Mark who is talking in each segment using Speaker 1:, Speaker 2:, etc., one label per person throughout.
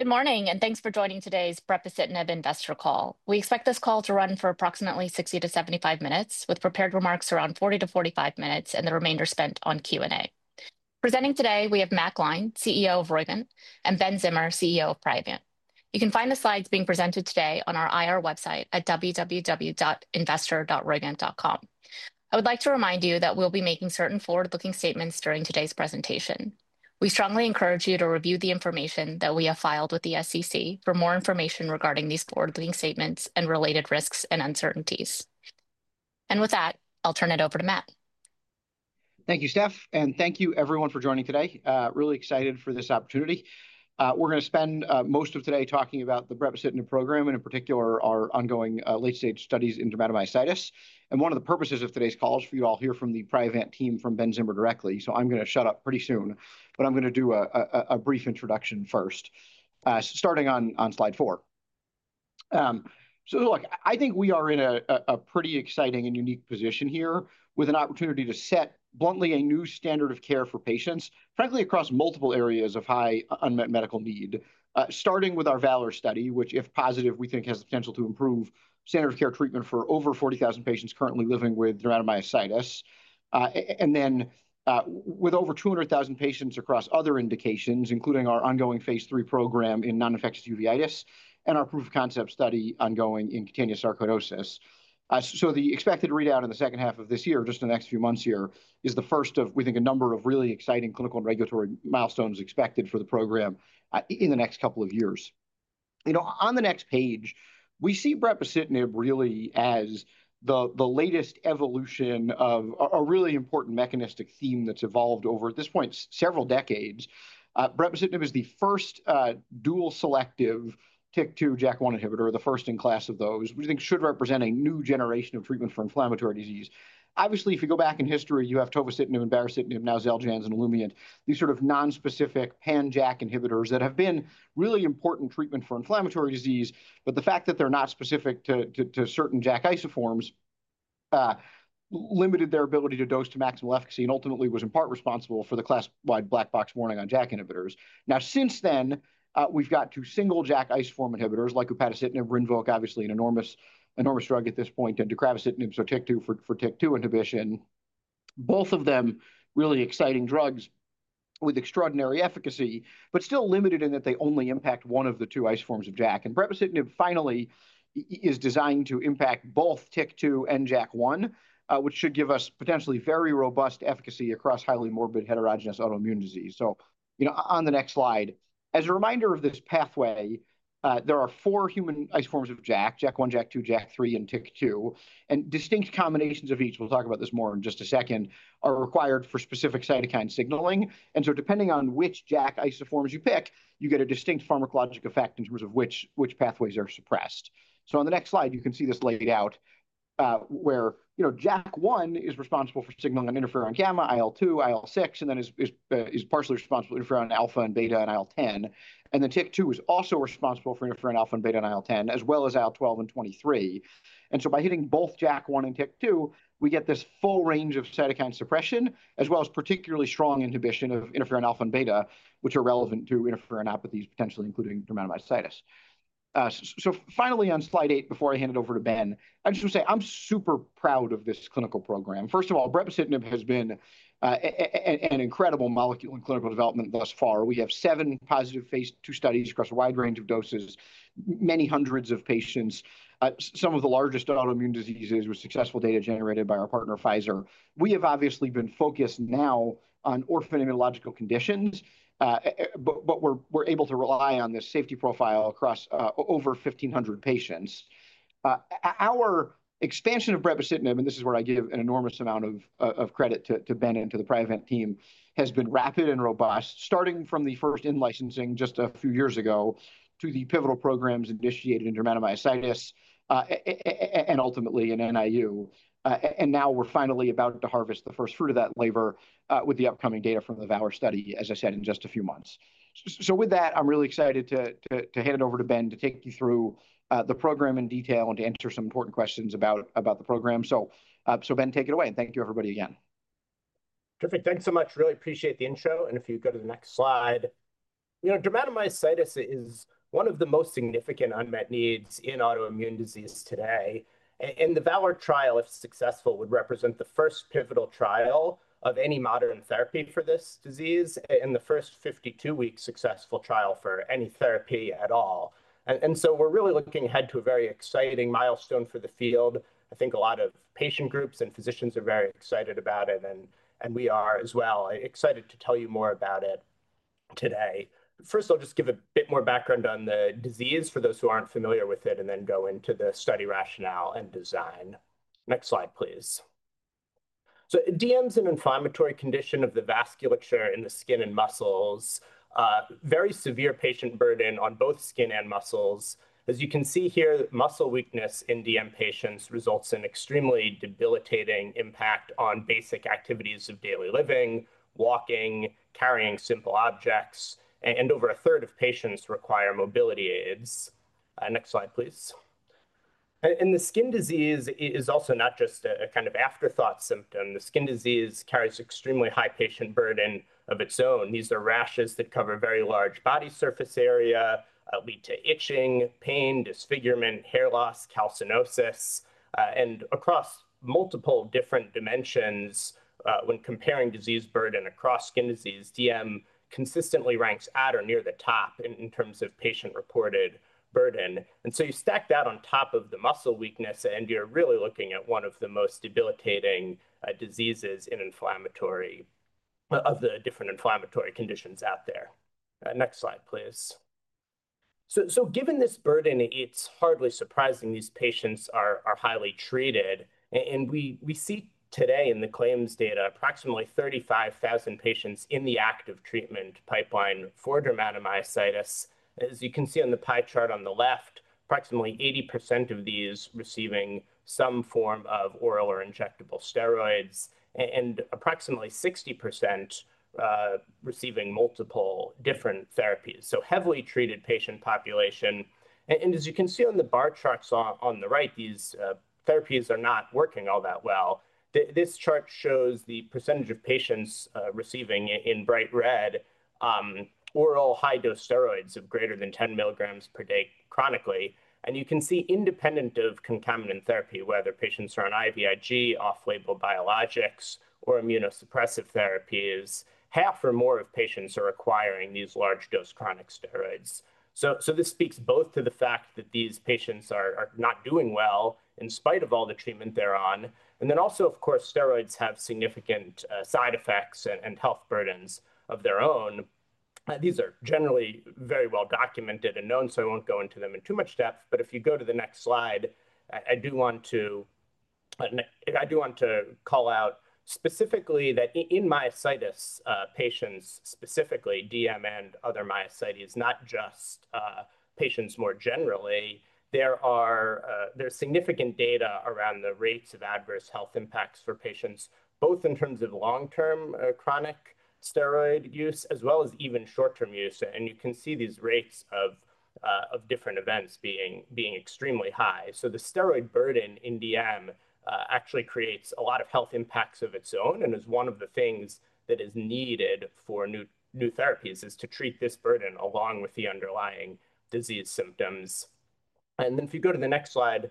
Speaker 1: Good morning, and thanks for joining today's Brepocitinib investor call. We expect this call to run for approximately 60-75 minutes, with prepared remarks around 40-45 minutes, and the remainder spent on Q&A. Presenting today, we have Matt Gline, CEO of Roivant, and Ben Zimmer, CEO of Priovant. You can find the slides being presented today on our IR website at www.investor.roivant.com. I would like to remind you that we'll be making certain forward-looking statements during today's presentation. We strongly encourage you to review the information that we have filed with the SEC for more information regarding these forward-looking statements and related risks and uncertainties. With that, I'll turn it over to Matt.
Speaker 2: Thank you, Steph, and thank you, everyone, for joining today. Really excited for this opportunity. We're going to spend most of today talking about the brepocitinib program, and in particular, our ongoing late-stage studies in dermatomyositis. One of the purposes of today's call is for you to all hear from the Priovant team from Ben Zimmer directly. I'm going to shut up pretty soon, but I'm going to do a brief introduction first, starting on slide four. Look, I think we are in a pretty exciting and unique position here with an opportunity to set bluntly a new standard of care for patients, frankly, across multiple areas of high unmet medical need, starting with our Valor study, which, if positive, we think has the potential to improve standard of care treatment for over 40,000 patients currently living with dermatomyositis, and then with over 200,000 patients across other indications, including our ongoing phase three program in non-infectious uveitis and our proof of concept study ongoing in cutaneous sarcoidosis. The expected readout in the second half of this year, just in the next few months here, is the first of, we think, a number of really exciting clinical and regulatory milestones expected for the program in the next couple of years. On the next page, we see brepocitinib really as the latest evolution of a really important mechanistic theme that's evolved over, at this point, several decades. Brepocitinib is the first dual selective TYK2/JAK1 inhibitor, the first in class of those, which I think should represent a new generation of treatment for inflammatory disease. Obviously, if you go back in history, you have tofacitinib and baricitinib, now Xeljanz and Olumiant, these sort of nonspecific pan-JAK inhibitors that have been really important treatment for inflammatory disease. The fact that they're not specific to certain JAK isoforms limited their ability to dose to maximal efficacy and ultimately was in part responsible for the class-wide black box warning on JAK inhibitors. Since then, we've got two single JAK isoform inhibitors like upadacitinib, Rinvoq, obviously an enormous drug at this point, and deucravacitinib, so TYK2 for TYK2 inhibition. Both of them really exciting drugs with extraordinary efficacy, but still limited in that they only impact one of the two isoforms of JAK. And brepocitinib finally is designed to impact both TYK2 and JAK1, which should give us potentially very robust efficacy across highly morbid heterogeneous autoimmune disease. On the next slide, as a reminder of this pathway, there are four human isoforms of JAK: JAK1, JAK2, JAK3, and TYK2. Distinct combinations of each, we'll talk about this more in just a second, are required for specific cytokine signaling. Depending on which JAK isoforms you pick, you get a distinct pharmacologic effect in terms of which pathways are suppressed. On the next slide, you can see this laid out where JAK1 is responsible for signaling on interferon gamma, IL-2, IL-6, and then is partially responsible for interferon alpha and beta and IL-10. Tyk2 is also responsible for interferon alpha and beta and IL-10, as well as IL-12 and 23. By hitting both JAK1 and Tyk2, we get this full range of cytokine suppression, as well as particularly strong inhibition of interferon alpha and beta, which are relevant to interferonopathies, potentially including dermatomyositis. Finally, on slide eight, before I hand it over to Ben, I just want to say I'm super proud of this clinical program. First of all, brepocitinib has been an incredible molecule in clinical development thus far. We have seven positive phase II studies across a wide range of doses, many hundreds of patients, some of the largest autoimmune diseases with successful data generated by our partner, Pfizer. We have obviously been focused now on orphan immunological conditions, but we're able to rely on this safety profile across over 1,500 patients. Our expansion of brepocitinib, and this is where I give an enormous amount of credit to Ben and to the Priovant team, has been rapid and robust, starting from the first in-licensing just a few years ago to the pivotal programs initiated in dermatomyositis and ultimately in NIU. Now we're finally about to harvest the first fruit of that labor with the upcoming data from the VALOR study, as I said, in just a few months. With that, I'm really excited to hand it over to Ben to take you through the program in detail and to answer some important questions about the program. Ben, take it away. Thank you, everybody, again.
Speaker 3: Terrific. Thanks so much. Really appreciate the intro. If you go to the next slide, dermatomyositis is one of the most significant unmet needs in autoimmune disease today. The VALOR trial, if successful, would represent the first pivotal trial of any modern therapy for this disease and the first 52-week successful trial for any therapy at all. We are really looking ahead to a very exciting milestone for the field. I think a lot of patient groups and physicians are very excited about it, and we are as well. Excited to tell you more about it today. First, I'll just give a bit more background on the disease for those who aren't familiar with it, and then go into the study rationale and design. Next slide, please. DM is an inflammatory condition of the vasculature in the skin and muscles, very severe patient burden on both skin and muscles. As you can see here, muscle weakness in DM patients results in extremely debilitating impact on basic activities of daily living, walking, carrying simple objects, and over a third of patients require mobility aids. Next slide, please. The skin disease is also not just a kind of afterthought symptom. The skin disease carries extremely high patient burden of its own. These are rashes that cover very large body surface area, lead to itching, pain, disfigurement, hair loss, calcinosis, and across multiple different dimensions. When comparing disease burden across skin disease, DM consistently ranks at or near the top in terms of patient-reported burden. You stack that on top of the muscle weakness, and you're really looking at one of the most debilitating diseases in inflammatory of the different inflammatory conditions out there. Next slide, please. Given this burden, it's hardly surprising these patients are highly treated. We see today in the claims data approximately 35,000 patients in the active treatment pipeline for dermatomyositis. As you can see on the pie chart on the left, approximately 80% of these receiving some form of oral or injectable steroids and approximately 60% receiving multiple different therapies. Heavily treated patient population. As you can see on the bar charts on the right, these therapies are not working all that well. This chart shows the percentage of patients receiving in bright red oral high-dose steroids of greater than 10 mg per day chronically. You can see independent of concomitant therapy, whether patients are on IVIG, off-label biologics, or immunosuppressive therapies, half or more of patients are requiring these large-dose chronic steroids. This speaks both to the fact that these patients are not doing well in spite of all the treatment they're on. Of course, steroids have significant side effects and health burdens of their own. These are generally very well documented and known, so I won't go into them in too much depth. If you go to the next slide, I do want to call out specifically that in myositis patients, specifically DM and other myositis, not just patients more generally, there's significant data around the rates of adverse health impacts for patients, both in terms of long-term chronic steroid use as well as even short-term use. You can see these rates of different events being extremely high. The steroid burden in DM actually creates a lot of health impacts of its own. One of the things that is needed for new therapies is to treat this burden along with the underlying disease symptoms. If you go to the next slide,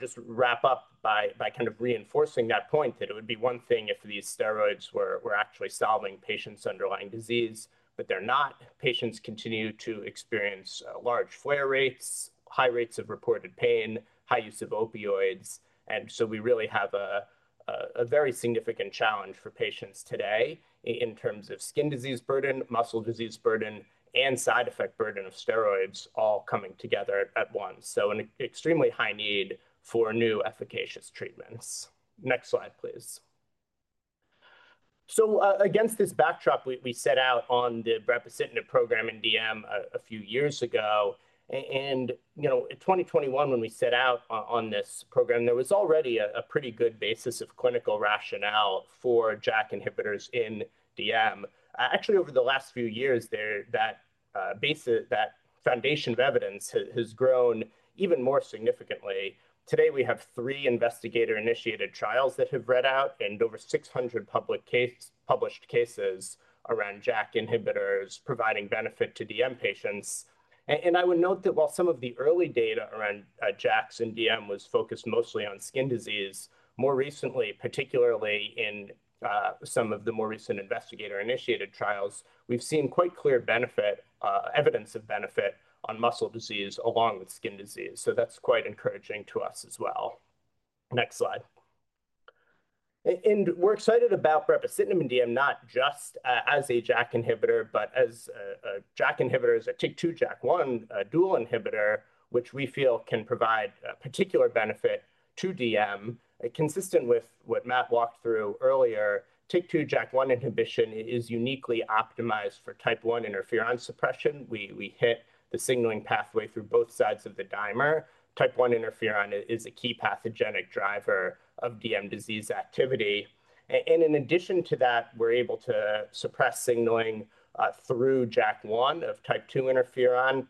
Speaker 3: just wrap up by kind of reinforcing that point that it would be one thing if these steroids were actually solving patients' underlying disease, but they're not. Patients continue to experience large flare rates, high rates of reported pain, high use of opioids. We really have a very significant challenge for patients today in terms of skin disease burden, muscle disease burden, and side effect burden of steroids all coming together at once. An extremely high need for new efficacious treatments. Next slide, please. Against this backdrop, we set out on the brepocitinib program in DM a few years ago. In 2021, when we set out on this program, there was already a pretty good basis of clinical rationale for JAK inhibitors in DM. Actually, over the last few years, that foundation of evidence has grown even more significantly. Today, we have three investigator-initiated trials that have read out and over 600 published cases around JAK inhibitors providing benefit to DM patients. I would note that while some of the early data around JAKs in DM was focused mostly on skin disease, more recently, particularly in some of the more recent investigator-initiated trials, we've seen quite clear evidence of benefit on muscle disease along with skin disease. That's quite encouraging to us as well. Next slide. We're excited about brepocitinib in DM not just as a JAK inhibitor, but as a JAK inhibitor, as a TYK2/JAK1 dual inhibitor, which we feel can provide particular benefit to DM. Consistent with what Matt walked through earlier, TYK2 JAK1 inhibition is uniquely optimized for type one interferon suppression. We hit the signaling pathway through both sides of the dimer. Type 1 interferon is a key pathogenic driver of DM disease activity. In addition to that, we're able to suppress signaling through JAK1 of type two interferon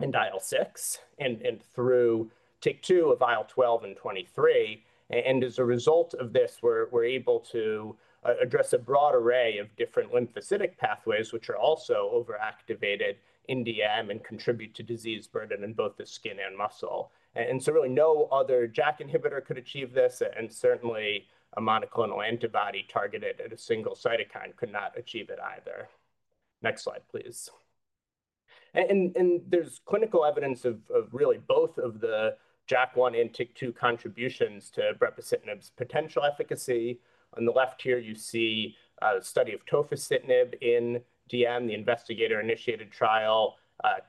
Speaker 3: and IL-6 and through TYK2 of IL-12 and 23. As a result of this, we're able to address a broad array of different lymphocytic pathways, which are also overactivated in DM and contribute to disease burden in both the skin and muscle. Really, no other JAK inhibitor could achieve this, and certainly a monoclonal antibody targeted at a single cytokine could not achieve it either. Next slide, please. There is clinical evidence of really both of the JAK1 and TYK2 contributions to brepocitinib's potential efficacy. On the left here, you see a study of tofacitinib in DM, the investigator-initiated trial.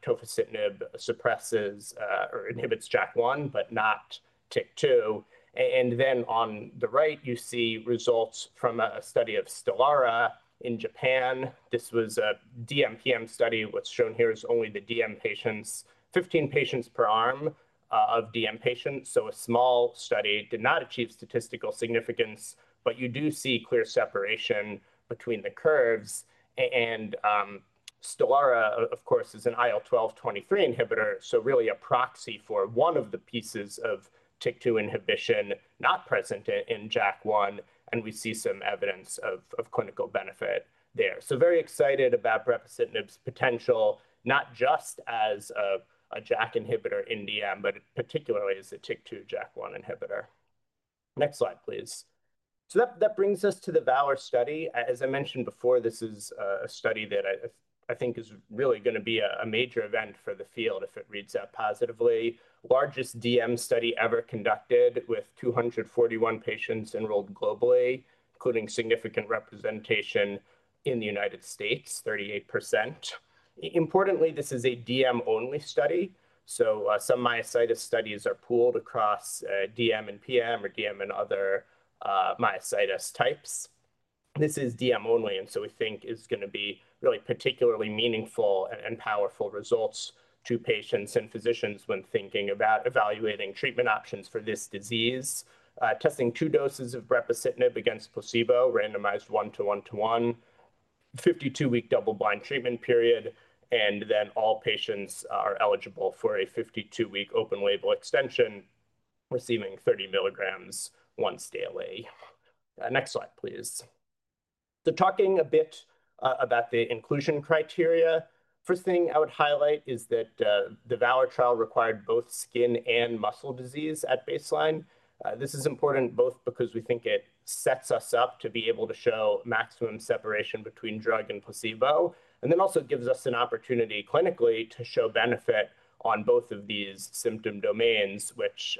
Speaker 3: Tofacitinib suppresses or inhibits JAK1, but not TYK2. On the right, you see results from a study of Stelara in Japan. This was a DMPM study. What is shown here is only the DM patients, 15 patients per arm of DM patients. A small study did not achieve statistical significance, but you do see clear separation between the curves. Stelara, of course, is an IL-12/23 inhibitor, so really a proxy for one of the pieces of TYK2 inhibition not present in JAK1. We see some evidence of clinical benefit there. Very excited about brepocitinib's potential, not just as a JAK inhibitor in DM, but particularly as a TYK2 JAK1 inhibitor. Next slide, please. That brings us to the VALOR study. As I mentioned before, this is a study that I think is really going to be a major event for the field if it reads out positively. Largest DM study ever conducted with 241 patients enrolled globally, including significant representation in the U.S., 38%. Importantly, this is a DM-only study. Some myositis studies are pooled across DM and PM or DM and other myositis types. This is DM-only, and we think is going to be really particularly meaningful and powerful results to patients and physicians when thinking about evaluating treatment options for this disease. Testing two doses of Brepocitinib against placebo, randomized one-to-one-to-one, 52-week double-blind treatment period, and then all patients are eligible for a 52-week open-label extension receiving 30 mg once daily. Next slide, please. Talking a bit about the inclusion criteria, first thing I would highlight is that the VALOR trial required both skin and muscle disease at baseline. This is important both because we think it sets us up to be able to show maximum separation between drug and placebo, and also gives us an opportunity clinically to show benefit on both of these symptom domains, which,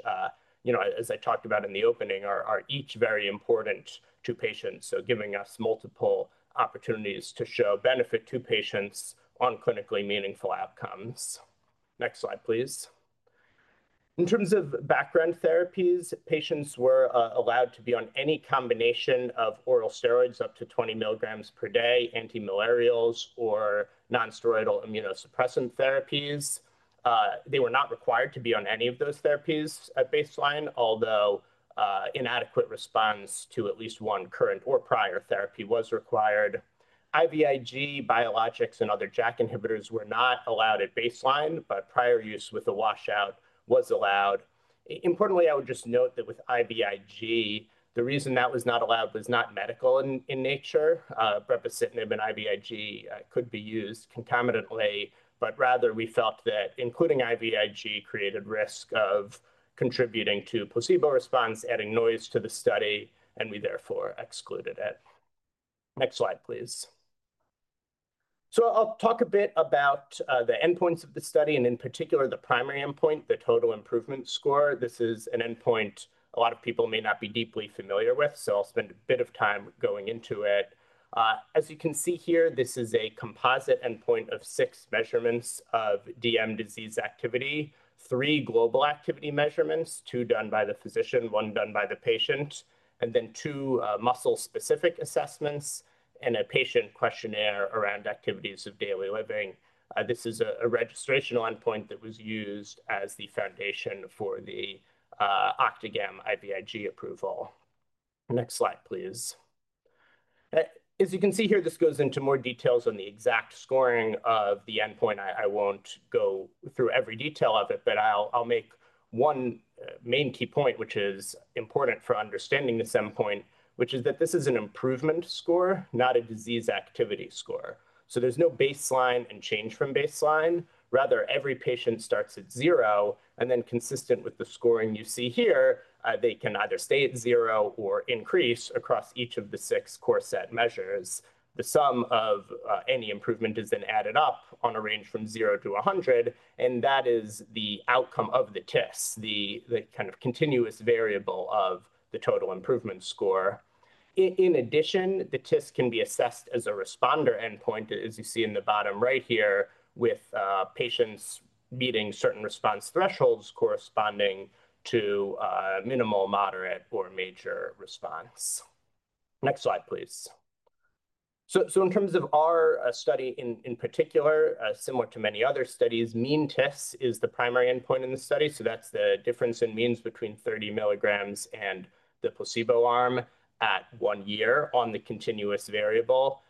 Speaker 3: as I talked about in the opening, are each very important to patients, giving us multiple opportunities to show benefit to patients on clinically meaningful outcomes. Next slide, please. In terms of background therapies, patients were allowed to be on any combination of oral steroids up to 20 mg per day, antimalarials, or nonsteroidal immunosuppressant therapies. They were not required to be on any of those therapies at baseline, although inadequate response to at least one current or prior therapy was required. IVIG, biologics, and other JAK inhibitors were not allowed at baseline, but prior use with a washout was allowed. Importantly, I would just note that with IVIG, the reason that was not allowed was not medical in nature. Brepocitinib and IVIG could be used concomitantly, but rather we felt that including IVIG created risk of contributing to placebo response, adding noise to the study, and we therefore excluded it. Next slide, please. I will talk a bit about the endpoints of the study and in particular the primary endpoint, the total improvement score. This is an endpoint a lot of people may not be deeply familiar with, so I'll spend a bit of time going into it. As you can see here, this is a composite endpoint of six measurements of DM disease activity, three global activity measurements, two done by the physician, one done by the patient, and then two muscle-specific assessments and a patient questionnaire around activities of daily living. This is a registration endpoint that was used as the foundation for the Octagam IVIG approval. Next slide, please. As you can see here, this goes into more details on the exact scoring of the endpoint. I won't go through every detail of it, but I'll make one main key point, which is important for understanding this endpoint, which is that this is an improvement score, not a disease activity score. There is no baseline and change from baseline. Rather, every patient starts at zero, and then consistent with the scoring you see here, they can either stay at zero or increase across each of the six core set measures. The sum of any improvement is then added up on a range from zero to 100, and that is the outcome of the TIS, the kind of continuous variable of the total improvement score. In addition, the TIS can be assessed as a responder endpoint, as you see in the bottom right here, with patients meeting certain response thresholds corresponding to minimal, moderate, or major response. Next slide, please. In terms of our study in particular, similar to many other studies, mean TIS is the primary endpoint in the study. That is the difference in means between 30 mg and the placebo arm at one year on the continuous variable.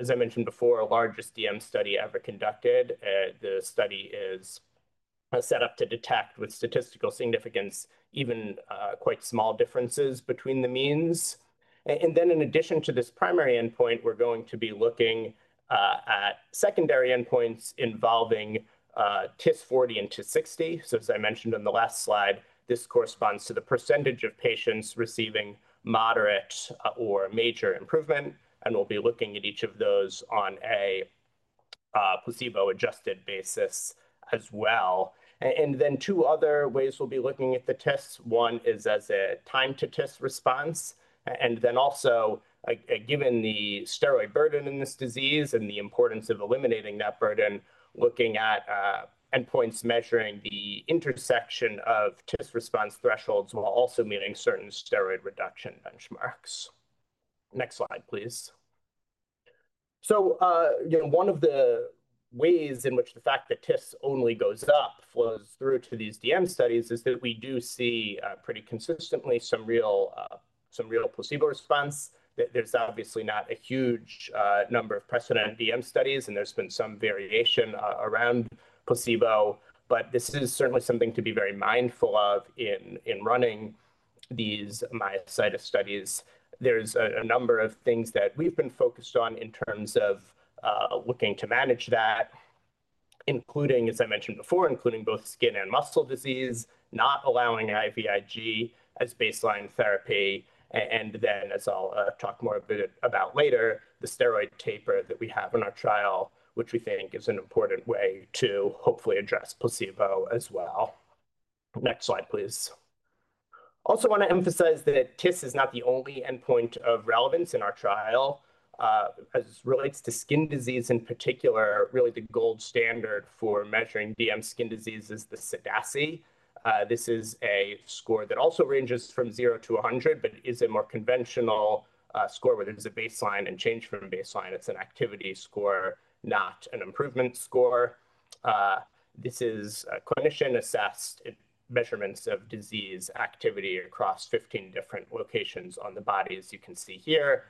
Speaker 3: As I mentioned before, largest DM study ever conducted, the study is set up to detect with statistical significance even quite small differences between the means. In addition to this primary endpoint, we're going to be looking at secondary endpoints involving TIS 40 and TIS 60. As I mentioned on the last slide, this corresponds to the percentage of patients receiving moderate or major improvement, and we'll be looking at each of those on a placebo-adjusted basis as well. Two other ways we'll be looking at the TIS. One is as a time-to-TIS response. Also, given the steroid burden in this disease and the importance of eliminating that burden, looking at endpoints measuring the intersection of TIS response thresholds while also meeting certain steroid reduction benchmarks. Next slide, please. One of the ways in which the fact that TIS only goes up flows through to these DM studies is that we do see pretty consistently some real placebo response. There's obviously not a huge number of precedent DM studies, and there's been some variation around placebo, but this is certainly something to be very mindful of in running these myositis studies. There's a number of things that we've been focused on in terms of looking to manage that, including, as I mentioned before, including both skin and muscle disease, not allowing IVIG as baseline therapy, and then, as I'll talk more a bit about later, the steroid taper that we have in our trial, which we think is an important way to hopefully address placebo as well. Next slide, please. Also want to emphasize that TIS is not the only endpoint of relevance in our trial. As it relates to skin disease in particular, really the gold standard for measuring DM skin disease is the CDASI. This is a score that also ranges from zero to 100, but is a more conventional score where there's a baseline and change from baseline. It's an activity score, not an improvement score. This is a clinician-assessed measurement of disease activity across 15 different locations on the body, as you can see here.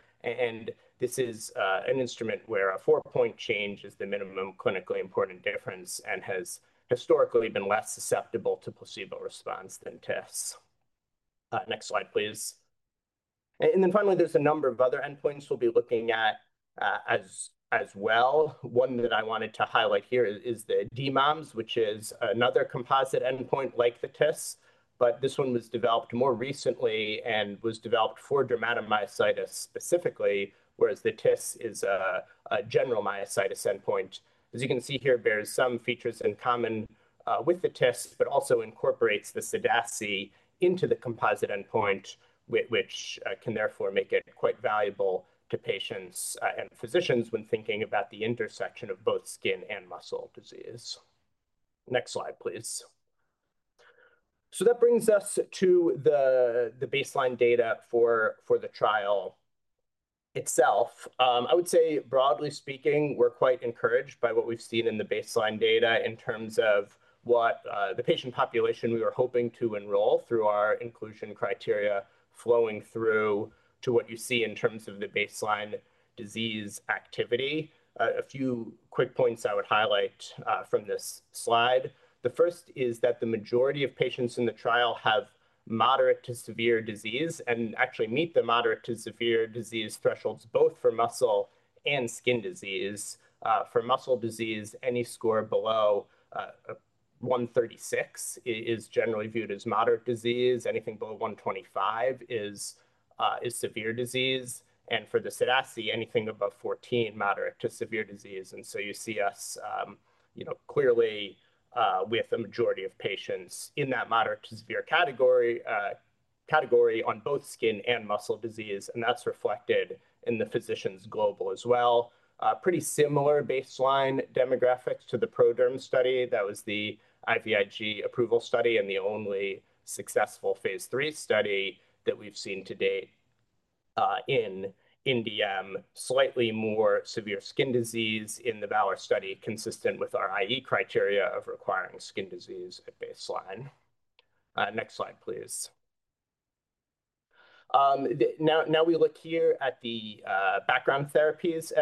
Speaker 3: This is an instrument where a four-point change is the minimum clinically important difference and has historically been less susceptible to placebo response than TIS. Next slide, please. There is a number of other endpoints we'll be looking at as well. One that I wanted to highlight here is the DMOMS, which is another composite endpoint like the TIS, but this one was developed more recently and was developed for dermatomyositis specifically, whereas the TIS is a general myositis endpoint. As you can see here, it bears some features in common with the TIS, but also incorporates the CDASI into the composite endpoint, which can therefore make it quite valuable to patients and physicians when thinking about the intersection of both skin and muscle disease. Next slide, please. That brings us to the baseline data for the trial itself. I would say, broadly speaking, we're quite encouraged by what we've seen in the baseline data in terms of what the patient population we were hoping to enroll through our inclusion criteria flowing through to what you see in terms of the baseline disease activity. A few quick points I would highlight from this slide. The first is that the majority of patients in the trial have moderate to severe disease and actually meet the moderate to severe disease thresholds both for muscle and skin disease. For muscle disease, any score below 136 is generally viewed as moderate disease. Anything below 125 is severe disease. For the CDASI, anything above 14 is moderate to severe disease. You see us clearly with a majority of patients in that moderate to severe category on both skin and muscle disease, and that is reflected in the physicians global as well. Pretty similar baseline demographics to the Proderm study. That was the IVIG approval study and the only successful phase three study that we've seen to date in DM, slightly more severe skin disease in the VALOR study consistent with our IE criteria of requiring skin disease at baseline. Next slide, please. Now we look here at the background therapies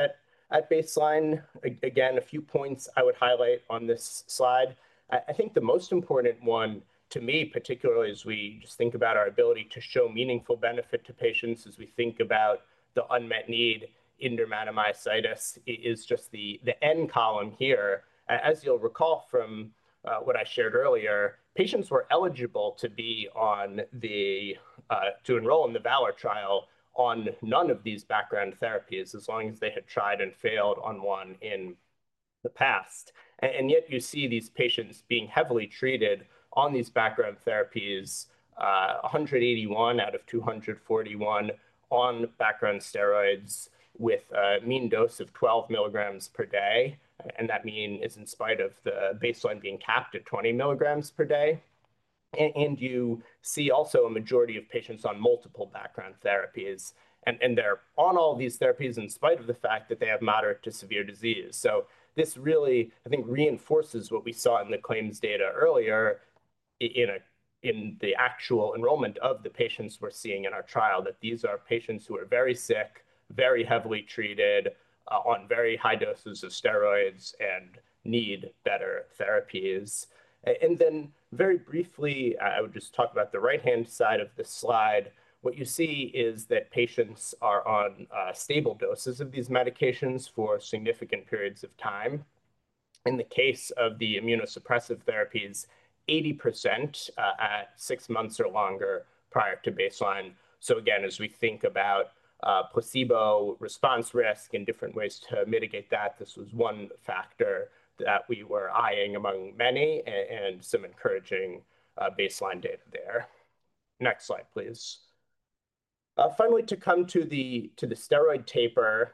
Speaker 3: at baseline. Again, a few points I would highlight on this slide. I think the most important one to me, particularly as we just think about our ability to show meaningful benefit to patients as we think about the unmet need in dermatomyositis is just the end column here. As you'll recall from what I shared earlier, patients were eligible to enroll in the VALOR trial on none of these background therapies as long as they had tried and failed on one in the past. Yet you see these patients being heavily treated on these background therapies, 181 out of 241 on background steroids with a mean dose of 12 mg per day. That mean is in spite of the baseline being capped at 20 mg per day. You see also a majority of patients on multiple background therapies, and they are on all these therapies in spite of the fact that they have moderate to severe disease. This really, I think, reinforces what we saw in the claims data earlier in the actual enrollment of the patients we are seeing in our trial, that these are patients who are very sick, very heavily treated on very high doses of steroids and need better therapies. Very briefly, I would just talk about the right-hand side of the slide. What you see is that patients are on stable doses of these medications for significant periods of time. In the case of the immunosuppressive therapies, 80% at six months or longer prior to baseline. Again, as we think about placebo response risk and different ways to mitigate that, this was one factor that we were eyeing among many and some encouraging baseline data there. Next slide, please. Finally, to come to the steroid taper,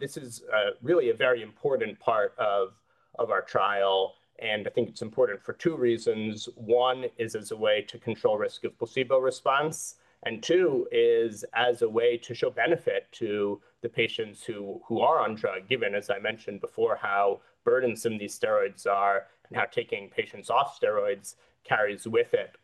Speaker 3: this is really a very important part of our trial, and I think it's important for two reasons. One is as a way to control risk of placebo response, and two is as a way to show benefit to the patients who are on drug, given, as I mentioned before, how burdensome these steroids are and how taking patients off steroids carries with it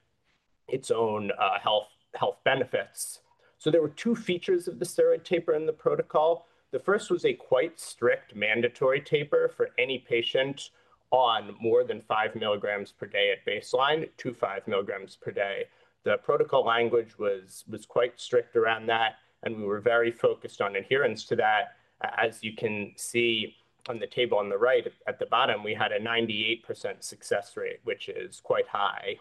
Speaker 3: its own health benefits. There were two features of the steroid taper in the protocol. The first was a quite strict mandatory taper for any patient on more than 5 mg per day at baseline, to 2 mg-5 mg per day. The protocol language was quite strict around that, and we were very focused on adherence to that. As you can see on the table on the right at the bottom, we had a 98% success rate, which is quite high.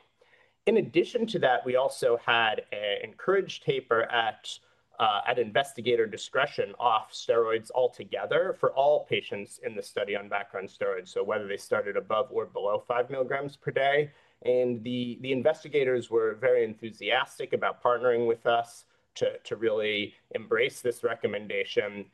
Speaker 3: In addition to that, we also had an encouraged taper at investigator discretion off steroids altogether for all patients in the study on background steroids, whether they started above or below 5 mg per day. The investigators were very enthusiastic about partnering with us to really embrace this recommendation.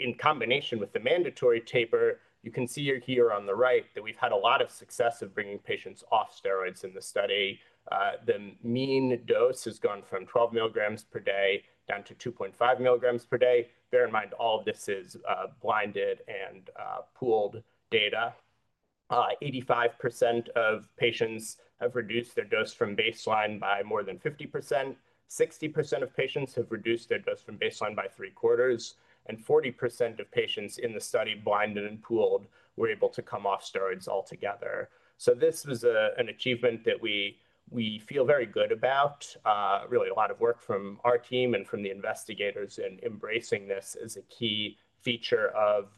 Speaker 3: In combination with the mandatory taper, you can see here on the right that we've had a lot of success of bringing patients off steroids in the study. The mean dose has gone from 12 mg per day down to 2.5 mg per day. Bear in mind, all of this is blinded and pooled data. 85% of patients have reduced their dose from baseline by more than 50%. 60% of patients have reduced their dose from baseline by three quarters, and 40% of patients in the study blinded and pooled were able to come off steroids altogether. This was an achievement that we feel very good about. Really a lot of work from our team and from the investigators in embracing this as a key feature of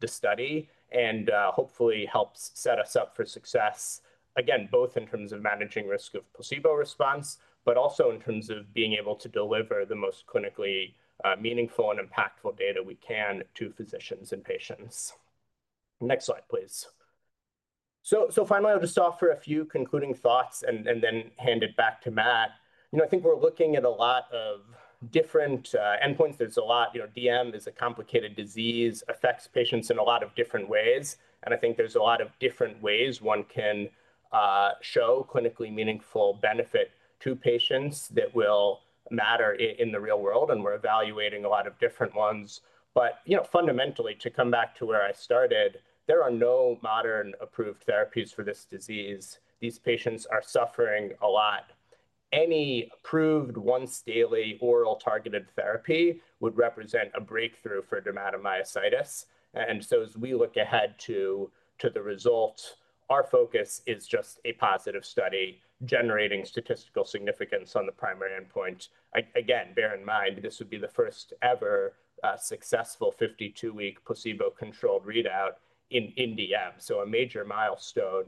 Speaker 3: the study and hopefully helps set us up for success, again, both in terms of managing risk of placebo response, but also in terms of being able to deliver the most clinically meaningful and impactful data we can to physicians and patients. Next slide, please. Finally, I'll just offer a few concluding thoughts and then hand it back to Matt. I think we're looking at a lot of different endpoints. There's a lot. DM is a complicated disease, affects patients in a lot of different ways. I think there's a lot of different ways one can show clinically meaningful benefit to patients that will matter in the real world, and we're evaluating a lot of different ones. Fundamentally, to come back to where I started, there are no modern approved therapies for this disease. These patients are suffering a lot. Any approved once-daily oral targeted therapy would represent a breakthrough for dermatomyositis. As we look ahead to the results, our focus is just a positive study generating statistical significance on the primary endpoint. Again, bear in mind, this would be the first ever successful 52-week placebo-controlled readout in DM. A major milestone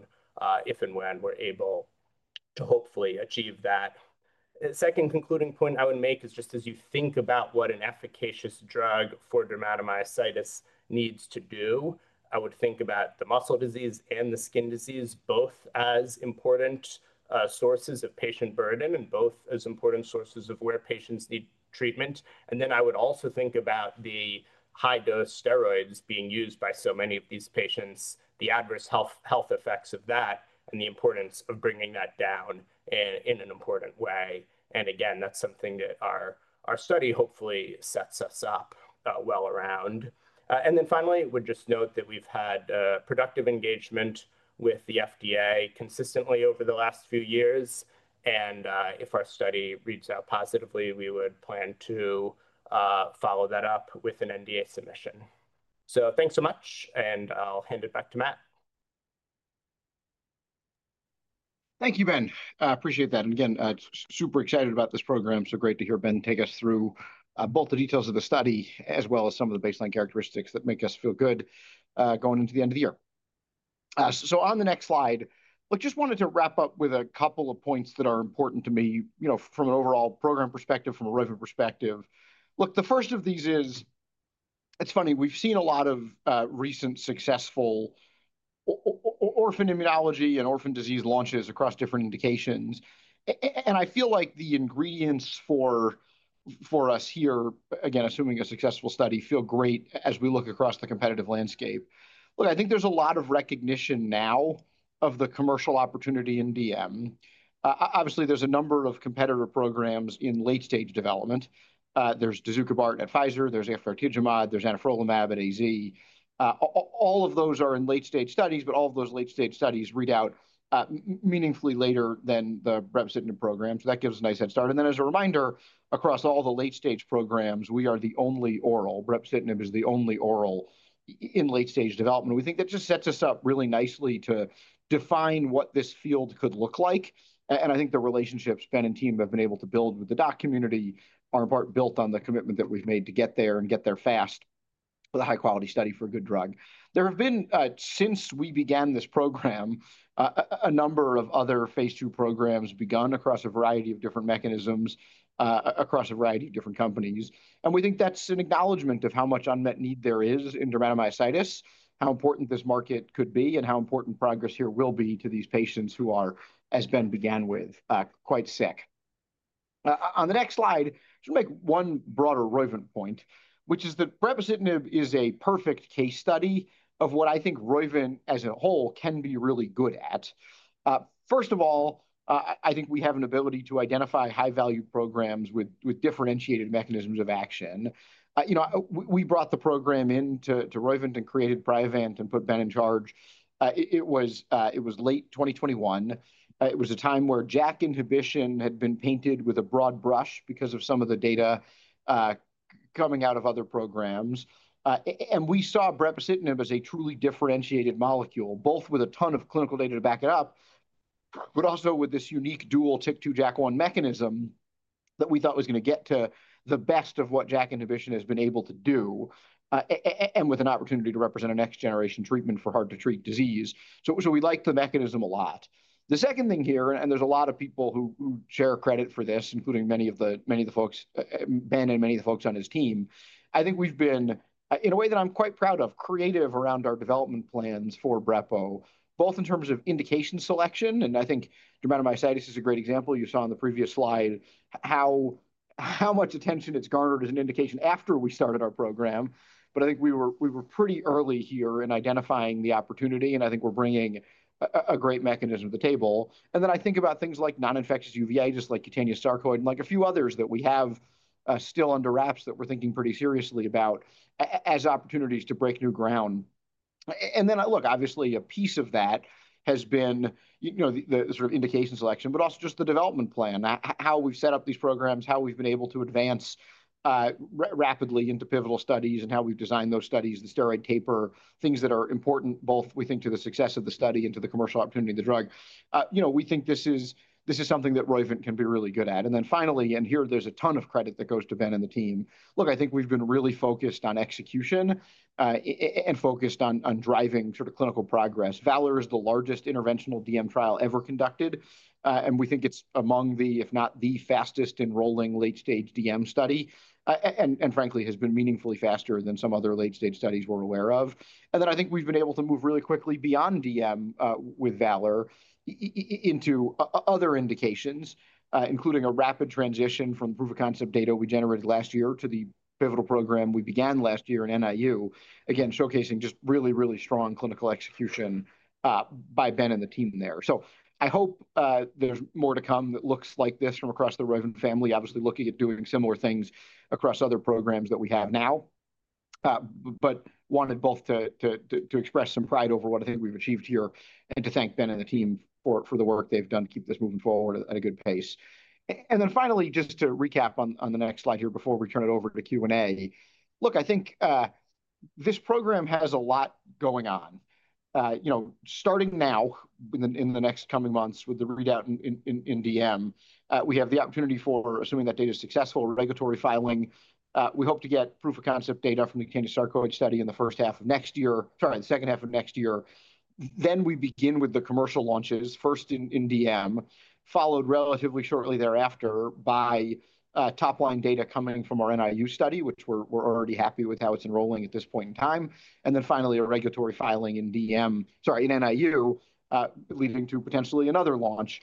Speaker 3: if and when we're able to hopefully achieve that. Second concluding point I would make is just as you think about what an efficacious drug for dermatomyositis needs to do, I would think about the muscle disease and the skin disease both as important sources of patient burden and both as important sources of where patients need treatment. I would also think about the high-dose steroids being used by so many of these patients, the adverse health effects of that, and the importance of bringing that down in an important way. That is something that our study hopefully sets us up well around. Finally, we would just note that we've had productive engagement with the FDA consistently over the last few years. If our study reads out positively, we would plan to follow that up with an NDA submission. Thanks so much, and I'll hand it back to Matt.
Speaker 2: Thank you, Ben. Appreciate that. Again, super excited about this program. Great to hear Ben take us through both the details of the study as well as some of the baseline characteristics that make us feel good going into the end of the year. On the next slide, look, just wanted to wrap up with a couple of points that are important to me from an overall program perspective, from a Roivant perspective. Look, the first of these is, it's funny, we've seen a lot of recent successful orphan immunology and orphan disease launches across different indications. I feel like the ingredients for us here, again, assuming a successful study, feel great as we look across the competitive landscape. Look, I think there's a lot of recognition now of the commercial opportunity in DM. Obviously, there's a number of competitor programs in late-stage development. There's rozanolixizumab and Adviser. There's efgartigimod. There's anifrolumab at AZ. All of those are in late-stage studies, but all of those late-stage studies read out meaningfully later than the brepocitinib program. That gives a nice head start. As a reminder, across all the late-stage programs, we are the only oral. Brepocitinib is the only oral in late-stage development. We think that just sets us up really nicely to define what this field could look like. I think the relationships Ben and team have been able to build with the doc community are in part built on the commitment that we've made to get there and get there fast with a high-quality study for a good drug. There have been, since we began this program, a number of other phase II programs begun across a variety of different mechanisms across a variety of different companies. We think that's an acknowledgment of how much unmet need there is in dermatomyositis, how important this market could be, and how important progress here will be to these patients who are, as Ben began with, quite sick. On the next slide, I should make one broader Roivant point, which is that brepocitinib is a perfect case study of what I think Roivant as a whole can be really good at. First of all, I think we have an ability to identify high-value programs with differentiated mechanisms of action. We brought the program into Roivant and created Priovant and put Ben in charge. It was late 2021. It was a time where JAK inhibition had been painted with a broad brush because of some of the data coming out of other programs. We saw brepocitinib as a truly differentiated molecule, both with a ton of clinical data to back it up, but also with this unique dual TYK2-JAK1 mechanism that we thought was going to get to the best of what JAK inhibition has been able to do and with an opportunity to represent a next-generation treatment for hard-to-treat disease. We liked the mechanism a lot. The second thing here, and there's a lot of people who share credit for this, including many of the folks, Ben and many of the folks on his team, I think we've been, in a way that I'm quite proud of, creative around our development plans for Brepocitinib, both in terms of indication selection. I think dermatomyositis is a great example. You saw on the previous slide how much attention it's garnered as an indication after we started our program. I think we were pretty early here in identifying the opportunity, and I think we're bringing a great mechanism to the table. I think about things like non-infectious uveitis, just like cutaneous sarcoidosis, and like a few others that we have still under wraps that we're thinking pretty seriously about as opportunities to break new ground. Obviously, a piece of that has been the sort of indication selection, but also just the development plan, how we've set up these programs, how we've been able to advance rapidly into pivotal studies, and how we've designed those studies, the steroid taper, things that are important both, we think, to the success of the study and to the commercial opportunity of the drug. We think this is something that Roivant can be really good at. Finally, and here there's a ton of credit that goes to Ben and the team. Look, I think we've been really focused on execution and focused on driving sort of clinical progress. VALOR is the largest interventional DM trial ever conducted, and we think it's among the, if not the fastest enrolling late-stage DM study and frankly, has been meaningfully faster than some other late-stage studies we're aware of. I think we've been able to move really quickly beyond DM with VALOR into other indications, including a rapid transition from the proof of concept data we generated last year to the pivotal program we began last year in NIU, again, showcasing just really, really strong clinical execution by Ben and the team there. I hope there's more to come that looks like this from across the Roivant family, obviously looking at doing similar things across other programs that we have now, but wanted both to express some pride over what I think we've achieved here and to thank Ben and the team for the work they've done to keep this moving forward at a good pace. Finally, just to recap on the next slide here before we turn it over to Q&A, look, I think this program has a lot going on. Starting now in the next coming months with the readout in DM, we have the opportunity for, assuming that data is successful, regulatory filing. We hope to get proof of concept data from the cutaneous sarcoidosis study in the first half of next year, sorry, the second half of next year. We begin with the commercial launches, first in DM, followed relatively shortly thereafter by top-line data coming from our NIU study, which we're already happy with how it's enrolling at this point in time. Finally, a regulatory filing in DM, sorry, in NIU, leading to potentially another launch.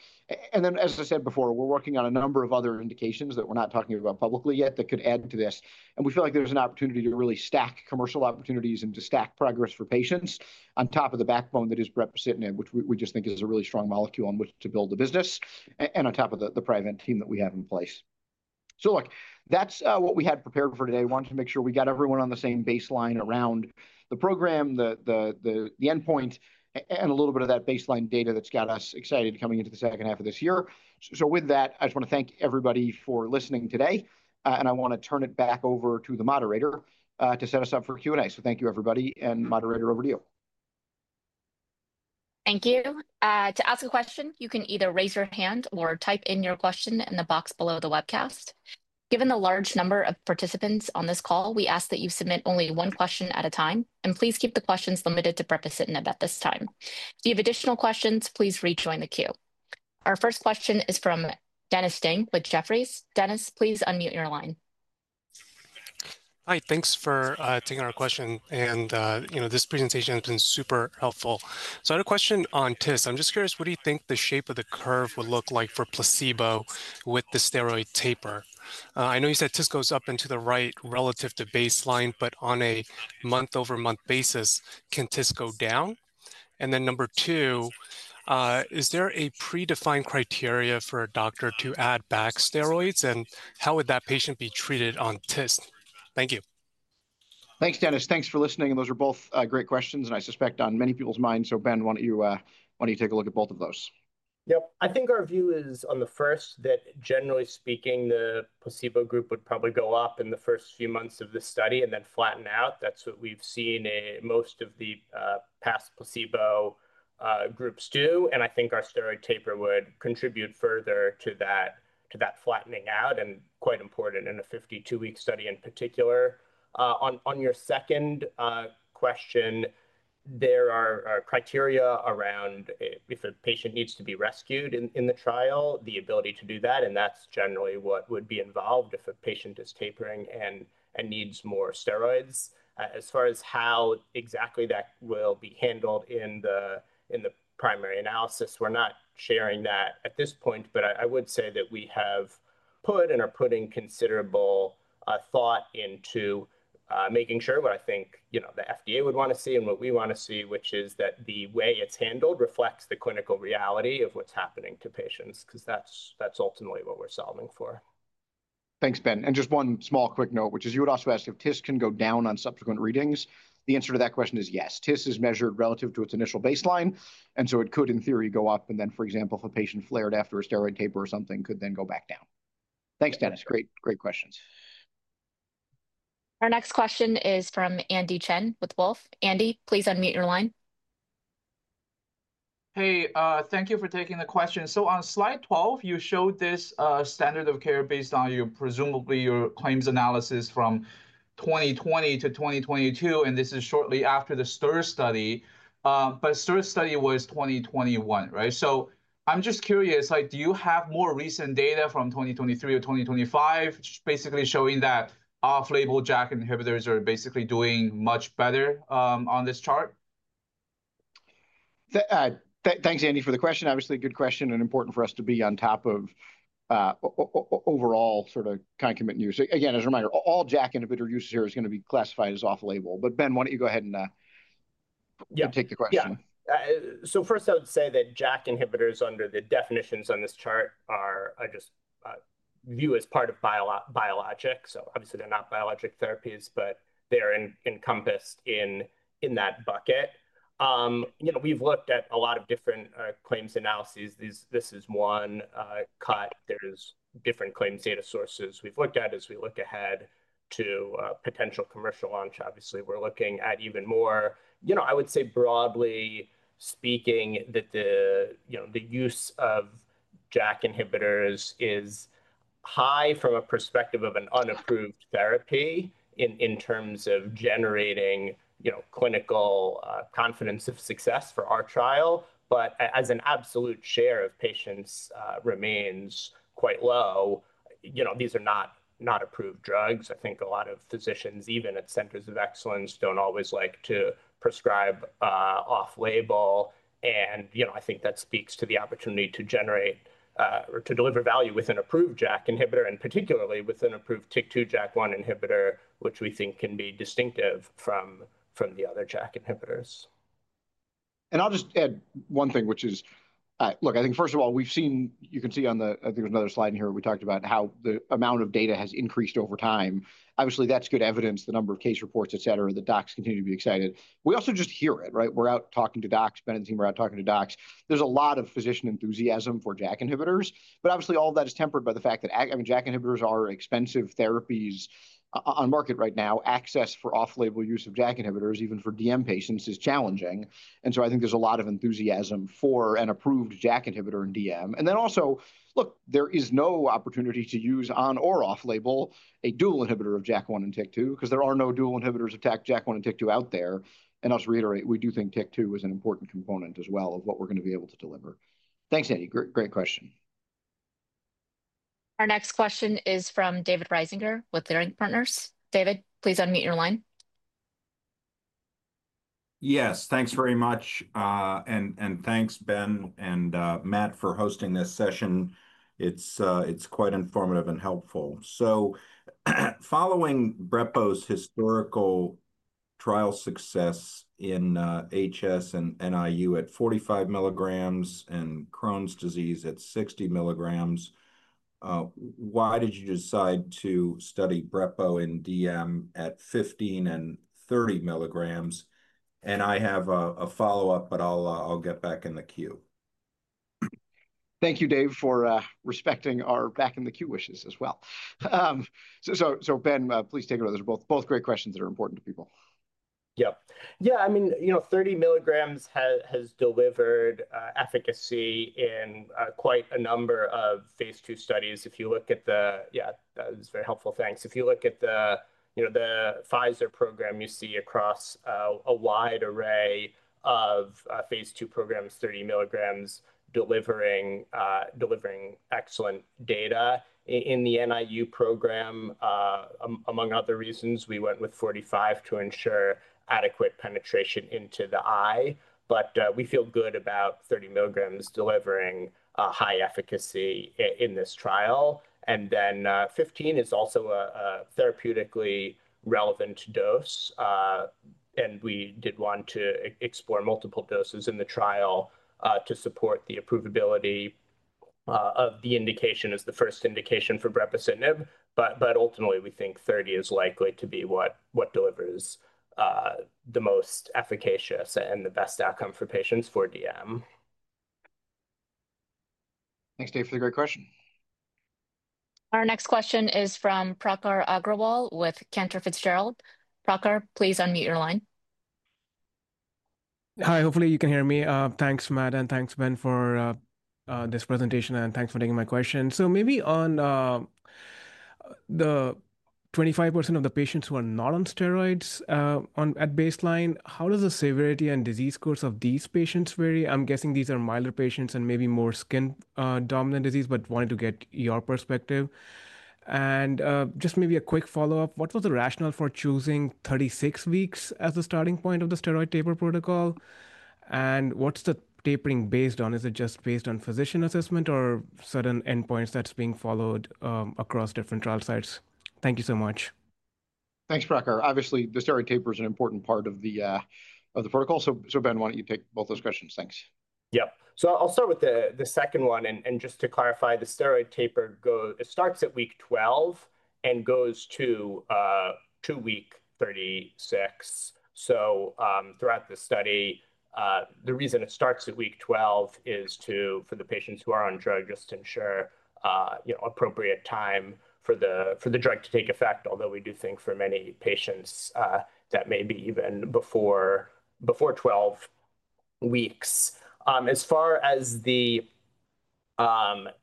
Speaker 2: As I said before, we're working on a number of other indications that we're not talking about publicly yet that could add to this. We feel like there's an opportunity to really stack commercial opportunities and to stack progress for patients on top of the backbone that is brepocitinib, which we just think is a really strong molecule on which to build the business and on top of the Priovant team that we have in place. Look, that's what we had prepared for today. Wanted to make sure we got everyone on the same baseline around the program, the endpoint, and a little bit of that baseline data that's got us excited coming into the second half of this year. With that, I just want to thank everybody for listening today. I want to turn it back over to the moderator to set us up for Q&A. Thank you, everybody. Moderator, over to you.
Speaker 1: Thank you. To ask a question, you can either raise your hand or type in your question in the box below the webcast. Given the large number of participants on this call, we ask that you submit only one question at a time. Please keep the questions limited to brepocitinib at this time. If you have additional questions, please rejoin the queue. Our first question is from Dennis Ding with Jefferies. Dennis, please unmute your line. Hi. Thanks for taking our question. This presentation has been super helpful. I had a question on TIS. I'm just curious, what do you think the shape of the curve would look like for placebo with the steroid taper? I know you said TIS goes up and to the right relative to baseline, but on a month-over-month basis, can TIS go down? Number two, is there a predefined criteria for a doctor to add back steroids, and how would that patient be treated on TIS? Thank you.
Speaker 2: Thanks, Dennis. Thanks for listening. Those are both great questions, and I suspect on many people's minds. Ben, why don't you take a look at both of those?
Speaker 3: Yep. I think our view is on the first that, generally speaking, the placebo group would probably go up in the first few months of the study and then flatten out. That is what we have seen most of the past placebo groups do. I think our steroid taper would contribute further to that flattening out and is quite important in a 52-week study in particular. On your second question, there are criteria around if a patient needs to be rescued in the trial, the ability to do that. That is generally what would be involved if a patient is tapering and needs more steroids. As far as how exactly that will be handled in the primary analysis, we're not sharing that at this point, but I would say that we have put and are putting considerable thought into making sure what I think the FDA would want to see and what we want to see, which is that the way it's handled reflects the clinical reality of what's happening to patients because that's ultimately what we're solving for.
Speaker 2: Thanks, Ben. And just one small quick note, which is you had also asked if TIS can go down on subsequent readings. The answer to that question is yes. TIS is measured relative to its initial baseline. And so it could, in theory, go up. For example, if a patient flared after a steroid taper or something, it could then go back down. Thanks, Dennis. Great questions.
Speaker 1: Our next question is from Andy Chen with Wolf. Andy, please unmute your line.
Speaker 4: Hey, thank you for taking the question. On slide 12, you showed this standard of care based on presumably your claims analysis from 2020 to 2022. This is shortly after the STIR study. STIR study was 2021, right? I am just curious, do you have more recent data from 2023 or 2025 basically showing that off-label JAK inhibitors are basically doing much better on this chart?
Speaker 2: Thanks, Andy, for the question. Obviously, good question and important for us to be on top of overall sort of concomitant use. Again, as a reminder, all JAK inhibitor use here is going to be classified as off-label. Ben, why do you not go ahead and take the question?
Speaker 3: Yeah. First, I would say that JAK inhibitors under the definitions on this chart are just viewed as part of biologic. Obviously, they're not biologic therapies, but they're encompassed in that bucket. We've looked at a lot of different claims analyses. This is one cut. There are different claims data sources we've looked at as we look ahead to potential commercial launch. Obviously, we're looking at even more. I would say, broadly speaking, that the use of JAK inhibitors is high from a perspective of an unapproved therapy in terms of generating clinical confidence of success for our trial. As an absolute share of patients, it remains quite low. These are not approved drugs. I think a lot of physicians, even at centers of excellence, don't always like to prescribe off-label. I think that speaks to the opportunity to generate or to deliver value with an approved JAK inhibitor, and particularly with an approved TYK2/JAK1 inhibitor, which we think can be distinctive from the other JAK inhibitors.
Speaker 2: I'll just add one thing, which is, look, I think, first of all, we've seen you can see on the, I think there's another slide in here where we talked about how the amount of data has increased over time. Obviously, that's good evidence, the number of case reports, et cetera, that docs continue to be excited. We also just hear it, right? We're out talking to docs, Ben and team, we're out talking to docs. There's a lot of physician enthusiasm for JAK inhibitors. Obviously, all of that is tempered by the fact that, I mean, JAK inhibitors are expensive therapies on market right now. Access for off-label use of JAK inhibitors, even for DM patients, is challenging. I think there's a lot of enthusiasm for an approved JAK inhibitor in DM. There is no opportunity to use on or off-label a dual inhibitor of JAK1 and TYK2 because there are no dual inhibitors of JAK1 and TYK2 out there. I'll just reiterate, we do think TYK2 is an important component as well of what we're going to be able to deliver. Thanks, Andy. Great question.
Speaker 1: Our next question is from David Reisinger with Leerink Partners. David, please unmute your line.
Speaker 5: Yes, thanks very much. Thanks, Ben and Matt, for hosting this session. It's quite informative and helpful. Following brepo's historical trial success in HS and NIU at 45 mg and Crohn's disease at 60 mg, why did you decide to study brepo in DM at 15 mg and 30 mg? I have a follow-up, but I'll get back in the queue.
Speaker 2: Thank you, Dave, for respecting our back-in-the-queue wishes as well. Ben, please take it. Those are both great questions that are important to people.
Speaker 3: Yep. Yeah, I mean, 30 mg has delivered efficacy in quite a number of phase II studies. If you look at the, yeah, that was very helpful. Thanks. If you look at the Pfizer program, you see across a wide array of phase II programs, 30 mg delivering excellent data. In the NIU program, among other reasons, we went with 45 to ensure adequate penetration into the eye. We feel good about 30 mg delivering high efficacy in this trial. 15 is also a therapeutically relevant dose. We did want to explore multiple doses in the trial to support the approvability of the indication as the first indication for Brepocitinib. Ultimately, we think 30 is likely to be what delivers the most efficacious and the best outcome for patients for DM.
Speaker 2: Thanks, Dave, for the great question.
Speaker 1: Our next question is from Prakar Agrawal with Cantor Fitzgerald. Prakar, please unmute your line.
Speaker 6: Hi. Hopefully, you can hear me. Thanks, Matt, and thanks, Ben, for this presentation. Thanks for taking my question. Maybe on the 25% of the patients who are not on steroids at baseline, how does the severity and disease course of these patients vary? I'm guessing these are milder patients and maybe more skin-dominant disease, but wanted to get your perspective. Just maybe a quick follow-up. What was the rationale for choosing 36 weeks as the starting point of the steroid taper protocol? What's the tapering based on? Is it just based on physician assessment or certain endpoints that's being followed across different trial sites? Thank you so much.
Speaker 2: Thanks, Prakar. Obviously, the steroid taper is an important part of the protocol. Ben, why don't you take both those questions?
Speaker 3: Thanks. Yep. I'll start with the second one. Just to clarify, the steroid taper starts at week 12 and goes to week 36. Throughout the study, the reason it starts at week 12 is for the patients who are on drug just to ensure appropriate time for the drug to take effect, although we do think for many patients that may be even before 12 weeks. As far as the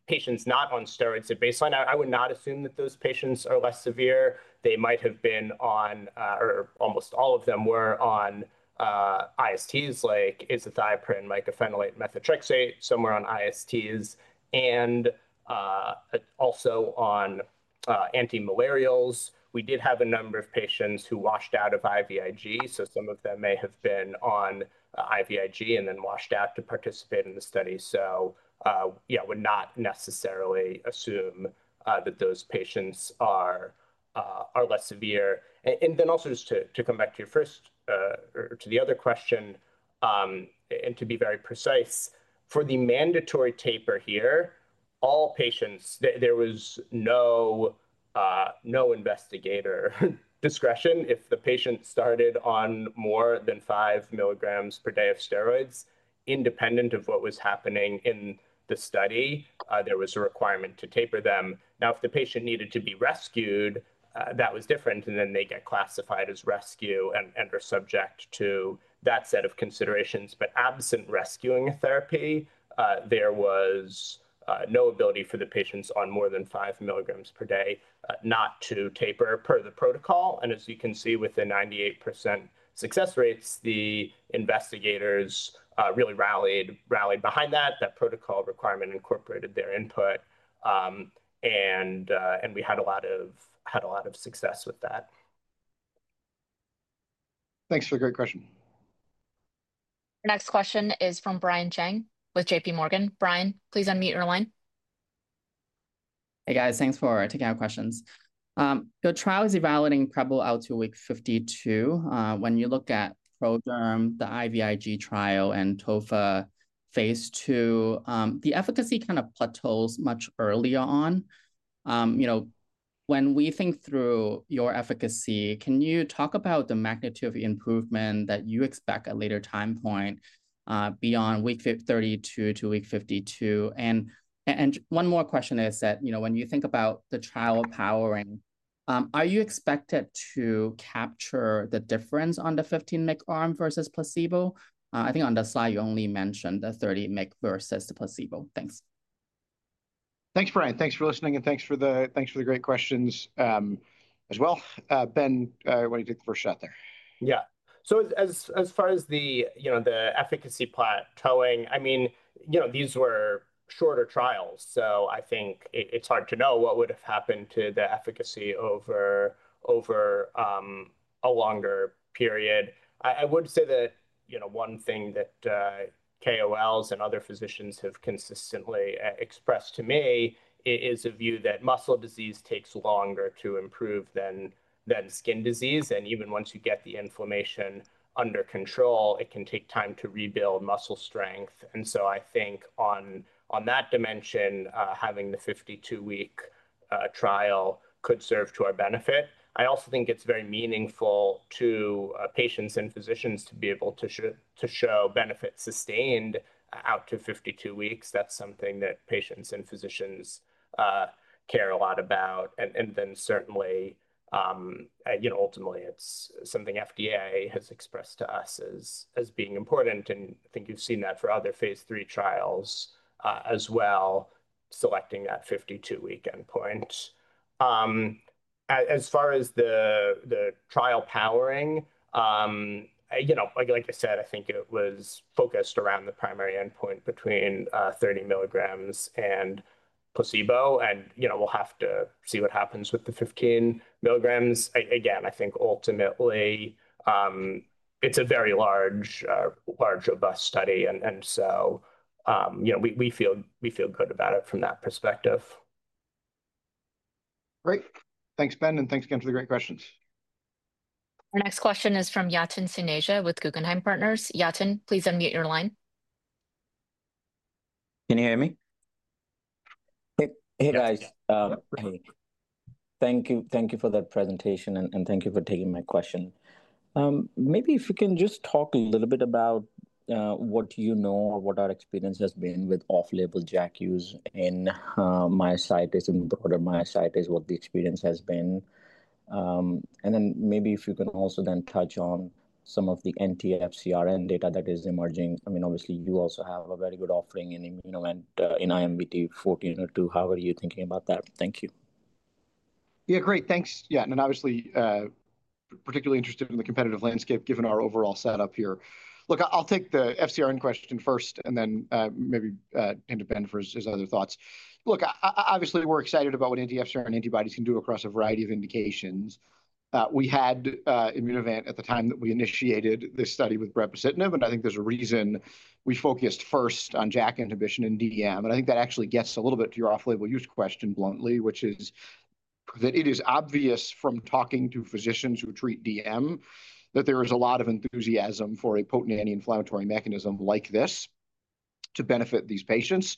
Speaker 3: patients not on steroids at baseline, I would not assume that those patients are less severe. They might have been on, or almost all of them were on ISTs like azathioprine, mycophenolate, methotrexate, some were on ISTs, and also on antimalarials. We did have a number of patients who washed out of IVIG. Some of them may have been on IVIG and then washed out to participate in the study. Yeah, I would not necessarily assume that those patients are less severe. To come back to your first or to the other question, and to be very precise, for the mandatory taper here, all patients, there was no investigator discretion. If the patient started on more than 5 mg per day of steroids, independent of what was happening in the study, there was a requirement to taper them. Now, if the patient needed to be rescued, that was different. They get classified as rescue and are subject to that set of considerations. Absent rescuing therapy, there was no ability for the patients on more than 5 mg per day not to taper per the protocol. As you can see, with the 98% success rates, the investigators really rallied behind that. That protocol requirement incorporated their input. We had a lot of success with that.
Speaker 2: Thanks for the great question.
Speaker 1: Our next question is from Brian Chang with JPMorgan. Brian, please unmute your line.
Speaker 7: Hey, guys. Thanks for taking our questions. The trial is evaluating brepocitinib out to week 52. When you look at ProDerm the IVIG trial, and tofacitinib phase two, the efficacy kind of plateaus much earlier on. When we think through your efficacy, can you talk about the magnitude of improvement that you expect at a later time point beyond week 32 to week 52? And one more question is that when you think about the trial powering, are you expected to capture the difference on the 15 mg arm versus placebo? I think on the slide, you only mentioned the 30 mg versus the placebo. Thanks.
Speaker 2: Thanks, Brian. Thanks for listening. And thanks for the great questions as well. Ben, why don't you take the first shot there?
Speaker 3: Yeah. As far as the efficacy plateauing, I mean, these were shorter trials. I think it's hard to know what would have happened to the efficacy over a longer period. I would say that one thing that KOLs and other physicians have consistently expressed to me is a view that muscle disease takes longer to improve than skin disease. Even once you get the inflammation under control, it can take time to rebuild muscle strength. I think on that dimension, having the 52-week trial could serve to our benefit. I also think it's very meaningful to patients and physicians to be able to show benefit sustained out to 52 weeks. That's something that patients and physicians care a lot about. Certainly, ultimately, it's something FDA has expressed to us as being important. I think you've seen that for other phase three trials as well, selecting that 52-week endpoint. As far as the trial powering, like I said, I think it was focused around the primary endpoint between 30 mg and placebo. We'll have to see what happens with the 15 mg. Again, I think ultimately, it's a very large, robust study. We feel good about it from that perspective.
Speaker 2: Great. Thanks, Ben. Thanks again for the great questions.
Speaker 1: Our next question is from Yatin Suneja with Guggenheim Partners. Yatin, please unmute your line.
Speaker 8: Can you hear me? Hey, guys. Thank you for the presentation. Thank you for taking my question. Maybe if you can just talk a little bit about what you know or what our experience has been with off-label JAK use in myositis and broader myositis, what the experience has been. Maybe if you can also then touch on some of the FcRn data that is emerging. I mean, obviously, you also have a very good offering in IMVT-1402. How are you thinking about that? Thank you.
Speaker 2: Yeah, great. Thanks. Yeah. Obviously, particularly interested in the competitive landscape given our overall setup here. Look, I'll take the FcRn question first and then maybe hand it to Ben for his other thoughts. Obviously, we're excited about what FcRn antibodies can do ecross a variety of indications. We had Immunovant at the time that we initiated this study with brepocitinib. I think there's a reason we focused first on JAK inhibition in DM. I think that actually gets a little bit to your off-label use question bluntly, which is that it is obvious from talking to physicians who treat DM that there is a lot of enthusiasm for a potent anti-inflammatory mechanism like this to benefit these patients.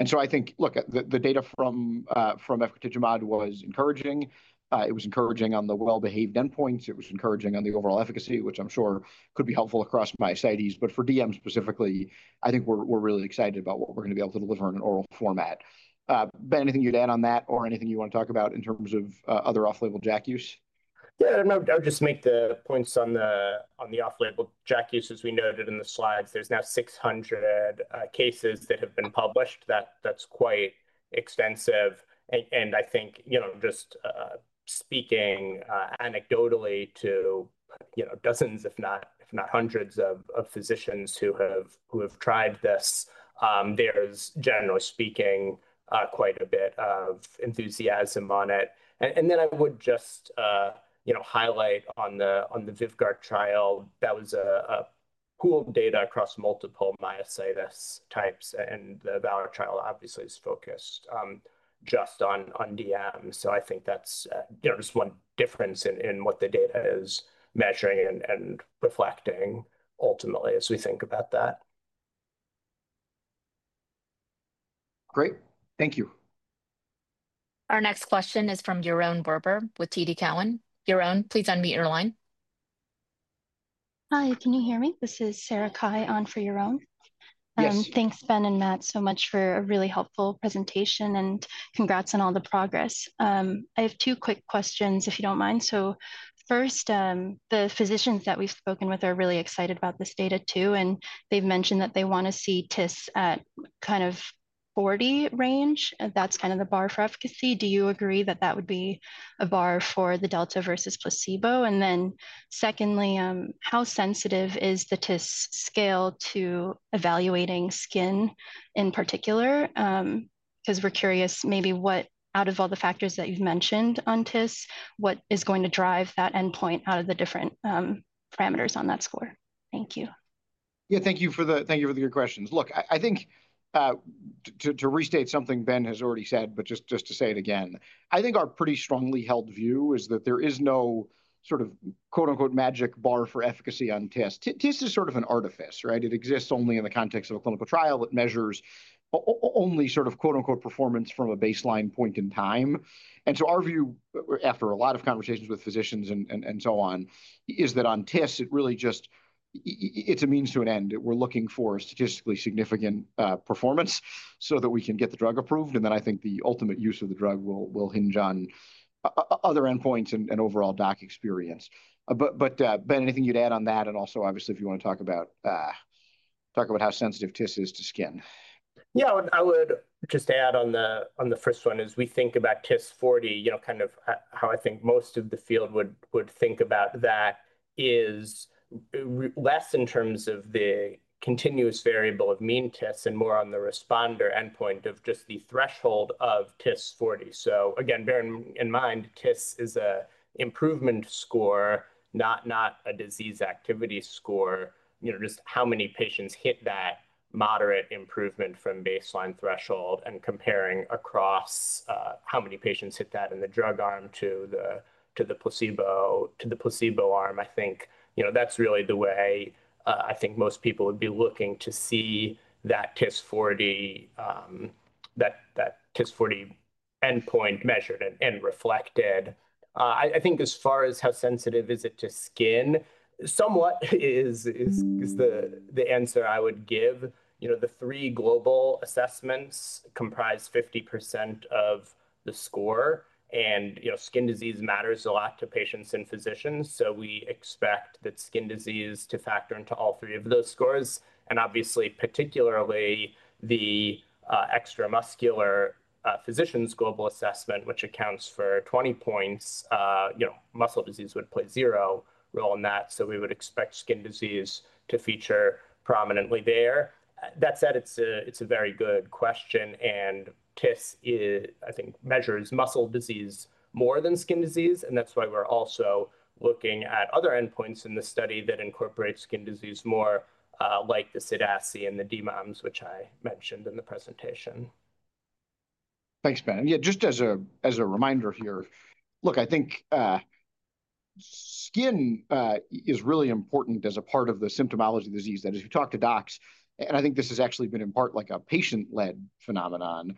Speaker 2: I think, look, the data from Efgartigimod was encouraging. It was encouraging on the well-behaved endpoints. It was encouraging on the overall efficacy, which I'm sure could be helpful across myositis. For DM specifically, I think we're really excited about what we're going to be able to deliver in an oral format. Ben, anything you'd add on that or anything you want to talk about in terms of other off-label JAK use?
Speaker 3: Yeah. I'll just make the points on the off-label JAK use. As we noted in the slides, there's now 600 cases that have been published. That's quite extensive. I think just speaking anecdotally to dozens, if not hundreds, of physicians who have tried this, there's generally speaking quite a bit of enthusiasm on it. I would just highlight on the VYVGART trial, that was pooled data across multiple myositis types. The VALOR trial obviously is focused just on DM. I think that's just one difference in what the data is measuring and reflecting ultimately as we think about that.
Speaker 2: Great. Thank you.
Speaker 1: Our next question is from Yaron Berber with TD Cowen. Yaron, please unmute your line.
Speaker 9: Hi. Can you hear me? This is Sarah Kai on for Yaron. Thanks, Ben and Matt, so much for a really helpful presentation. Congrats on all the progress. I have two quick questions, if you don't mind. First, the physicians that we've spoken with are really excited about this data too. They've mentioned that they want to see TIS at kind of 40 range. That's kind of the bar for efficacy. Do you agree that that would be a bar for the Delta versus placebo? Secondly, how sensitive is the TIS scale to evaluating skin in particular? Because we're curious maybe what out of all the factors that you've mentioned on TIS, what is going to drive that endpoint out of the different parameters on that score? Thank you.
Speaker 2: Yeah, thank you for the good questions. Look, I think to restate something Ben has already said, but just to say it again, I think our pretty strongly held view is that there is no sort of "magic bar" for efficacy on TIS. TIS is sort of an artifice, right? It exists only in the context of a clinical trial that measures only sort of "performance" from a baseline point in time. Our view, after a lot of conversations with physicians and so on, is that on TIS, it really just it's a means to an end. We're looking for statistically significant performance so that we can get the drug approved. I think the ultimate use of the drug will hinge on other endpoints and overall doc experience. Ben, anything you'd add on that? Also, obviously, if you want to talk about how sensitive TIS is to skin.
Speaker 3: Yeah. I would just add on the first one is we think about TIS 40, kind of how I think most of the field would think about that is less in terms of the continuous variable of mean TIS and more on the responder endpoint of just the threshold of TIS 40. Again, bearing in mind, TIS is an improvement score, not a disease activity score, just how many patients hit that moderate improvement from baseline threshold and comparing across how many patients hit that in the drug arm to the placebo arm. I think that's really the way I think most people would be looking to see that TIS 40, that TIS 40 endpoint measured and reflected. I think as far as how sensitive is it to skin, somewhat is the answer I would give. The three global assessments comprise 50% of the score. Skin disease matters a lot to patients and physicians. We expect that skin disease to factor into all three of those scores. Obviously, particularly the extramuscular physicians' global assessment, which accounts for 20 points, muscle disease would play zero role in that. We would expect skin disease to feature prominently there. That said, it's a very good question. TIS, I think, measures muscle disease more than skin disease. That's why we're also looking at other endpoints in the study that incorporate skin disease more, like the CDASI and the DMOMS, which I mentioned in the presentation.
Speaker 2: Thanks, Ben. Yeah, just as a reminder here, look, I think skin is really important as a part of the symptomology of disease. If you talk to docs, and I think this has actually been in part like a patient-led phenomenon,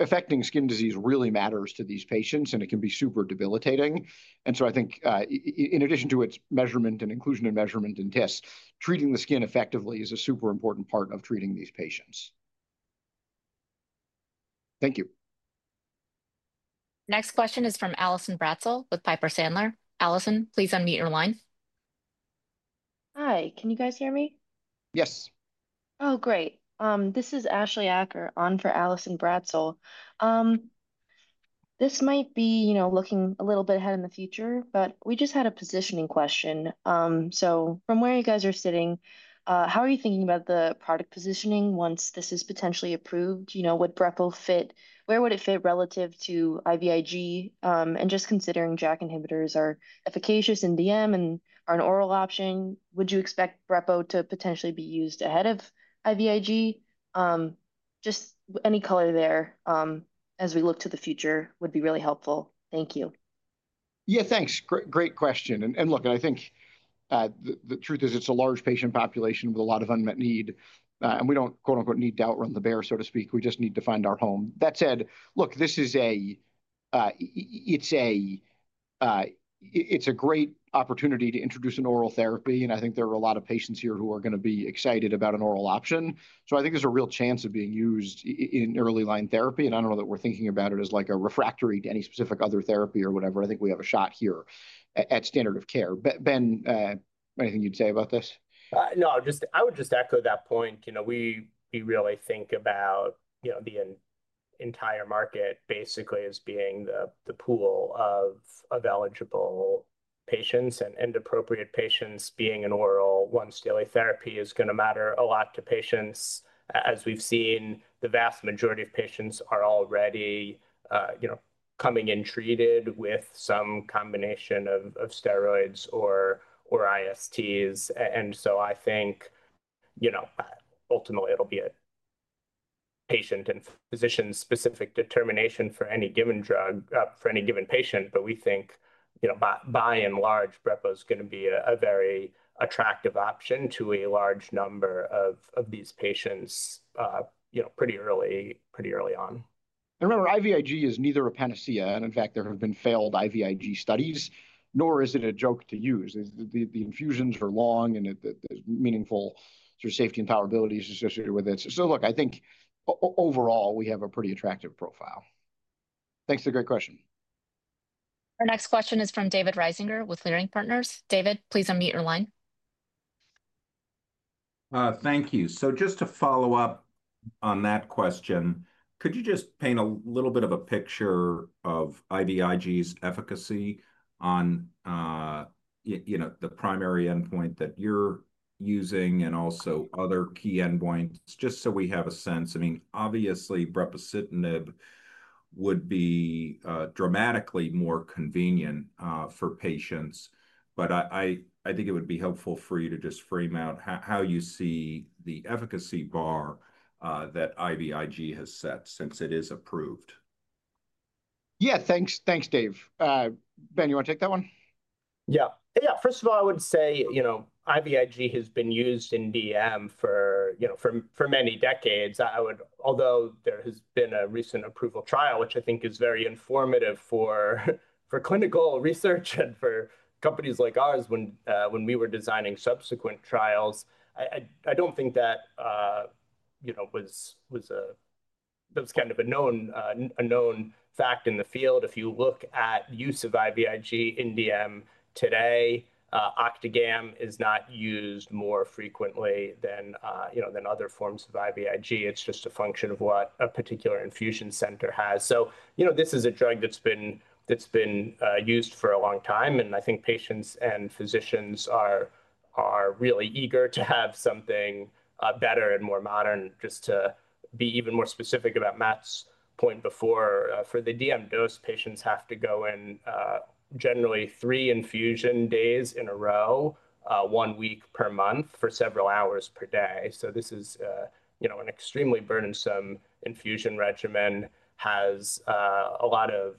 Speaker 2: affecting skin disease really matters to these patients. It can be super debilitating. I think in addition to its measurement and inclusion and measurement in TIS, treating the skin effectively is a super important part of treating these patients. Thank you.
Speaker 1: Next question is from Allison Bratzel with Piper Sandler. Allison, please unmute your line.
Speaker 10: Hi. Can you guys hear me? Yes. Oh, great. This is Ashley Acker on for Allison Bratzel. This might be looking a little bit ahead in the future, but we just had a positioning question. From where you guys are sitting, how are you thinking about the product positioning once this is potentially approved? Would brepocitinib fit? Where would it fit relative to IVIG? Just considering JAK inhibitors are efficacious in DM and are an oral option, would you expect brepo to potentially be used ahead of IVIG? Just any color there as we look to the future would be really helpful. Thank you.
Speaker 2: Yeah, thanks. Great question. I think the truth is it's a large patient population with a lot of unmet need. We don't "need to outrun the bear," so to speak. We just need to find our home. That said, this is a great opportunity to introduce an oral therapy. I think there are a lot of patients here who are going to be excited about an oral option. I think there's a real chance of being used in early line therapy. I don't know that we're thinking about it as like a refractory to any specific other therapy or whatever. I think we have a shot here at standard of care. Ben, anything you'd say about this?
Speaker 3: No, I would just echo that point. We really think about the entire market basically as being the pool of eligible patients and appropriate patients being an oral once-daily therapy is going to matter a lot to patients. As we've seen, the vast majority of patients are already coming in treated with some combination of steroids or ISTs. I think ultimately, it'll be a patient and physician-specific determination for any given drug for any given patient. We think, by and large, Brepo is going to be a very attractive option to a large number of these patients pretty early on. Remember, IVIG is neither a panacea. In fact, there have been failed IVIG studies, nor is it a joke to use. The infusions are long, and there's meaningful safety and tolerability associated with it. I think overall, we have a pretty attractive profile.
Speaker 2: Thanks for the great question.
Speaker 1: Our next question is from David Reisinger with Leerink Partners. David, please unmute your line.
Speaker 5: Thank you. Just to follow up on that question, could you just paint a little bit of a picture of IVIG's efficacy on the primary endpoint that you're using and also other key endpoints just so we have a sense? I mean, obviously, brepocitinib would be dramatically more convenient for patients. I think it would be helpful for you to just frame out how you see the efficacy bar that IVIG has set since it is approved.
Speaker 2: Yeah. Thanks, Dave. Ben, you want to take that one?
Speaker 3: Yeah. Yeah. First of all, I would say IVIG has been used in DM for many decades. Although there has been a recent approval trial, which I think is very informative for clinical research and for companies like ours when we were designing subsequent trials, I don't think that was kind of a known fact in the field. If you look at use of IVIG in DM today, Octagam is not used more frequently than other forms of IVIG. It's just a function of what a particular infusion center has. This is a drug that's been used for a long time. I think patients and physicians are really eager to have something better and more modern. Just to be even more specific about Matt's point before, for the DM dose, patients have to go in generally three infusion days in a row, one week per month for several hours per day. This is an extremely burdensome infusion regimen, has a lot of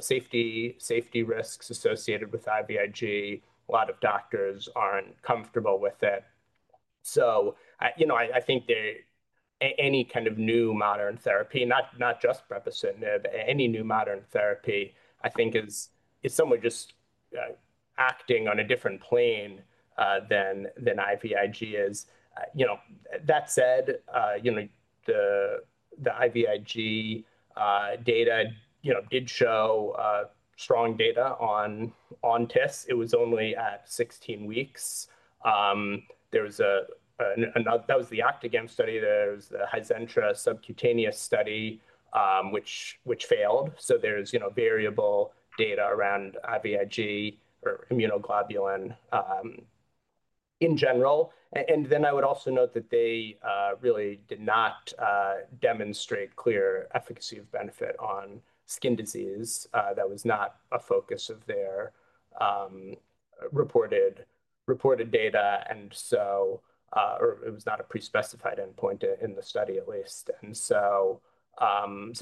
Speaker 3: safety risks associated with IVIG. A lot of doctors aren't comfortable with it. I think any kind of new modern therapy, not just brepocitinib, any new modern therapy, is somewhat just acting on a different plane than IVIG is. That said, the IVIG data did show strong data on TIS. It was only at 16 weeks. That was the Octagam study. There was the Hyzentra subcutaneous study, which failed. There is variable data around IVIG or immunoglobulin in general. I would also note that they really did not demonstrate clear efficacy of benefit on skin disease. That was not a focus of their reported data. It was not a pre-specified endpoint in the study, at least. I think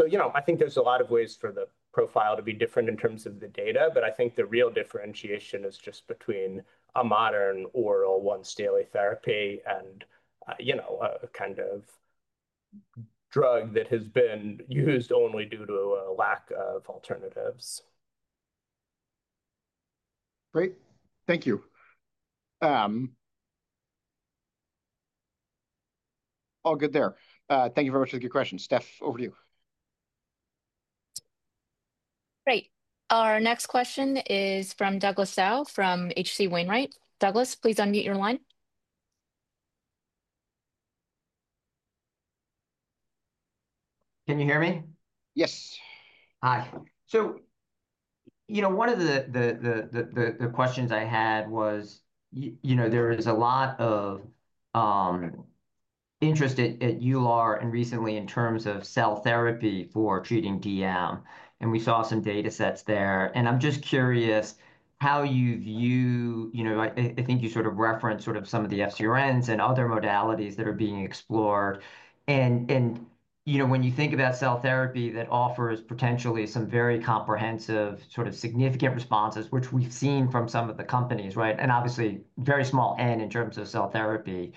Speaker 3: there are a lot of ways for the profile to be different in terms of the data. I think the real differentiation is just between a modern oral once-daily therapy and a kind of drug that has been used only due to a lack of alternatives.
Speaker 2: Great. Thank you. All good there. Thank you very much for the good questions. Steph, over to you.
Speaker 1: Great. Our next question is from Douglas Zhao from H.C. Wainwright. Douglas, please unmute your line.
Speaker 11: Can you hear me? Yes. Hi. One of the questions I had was there is a lot of interest at ULR and recently in terms of cell therapy for treating DM. We saw some data sets there. I'm just curious how you view, I think you sort of referenced some of the FcRNs and other modalities that are being explored. When you think about cell therapy that offers potentially some very comprehensive, significant responses, which we've seen from some of the companies, right? Obviously, very small N in terms of cell therapy.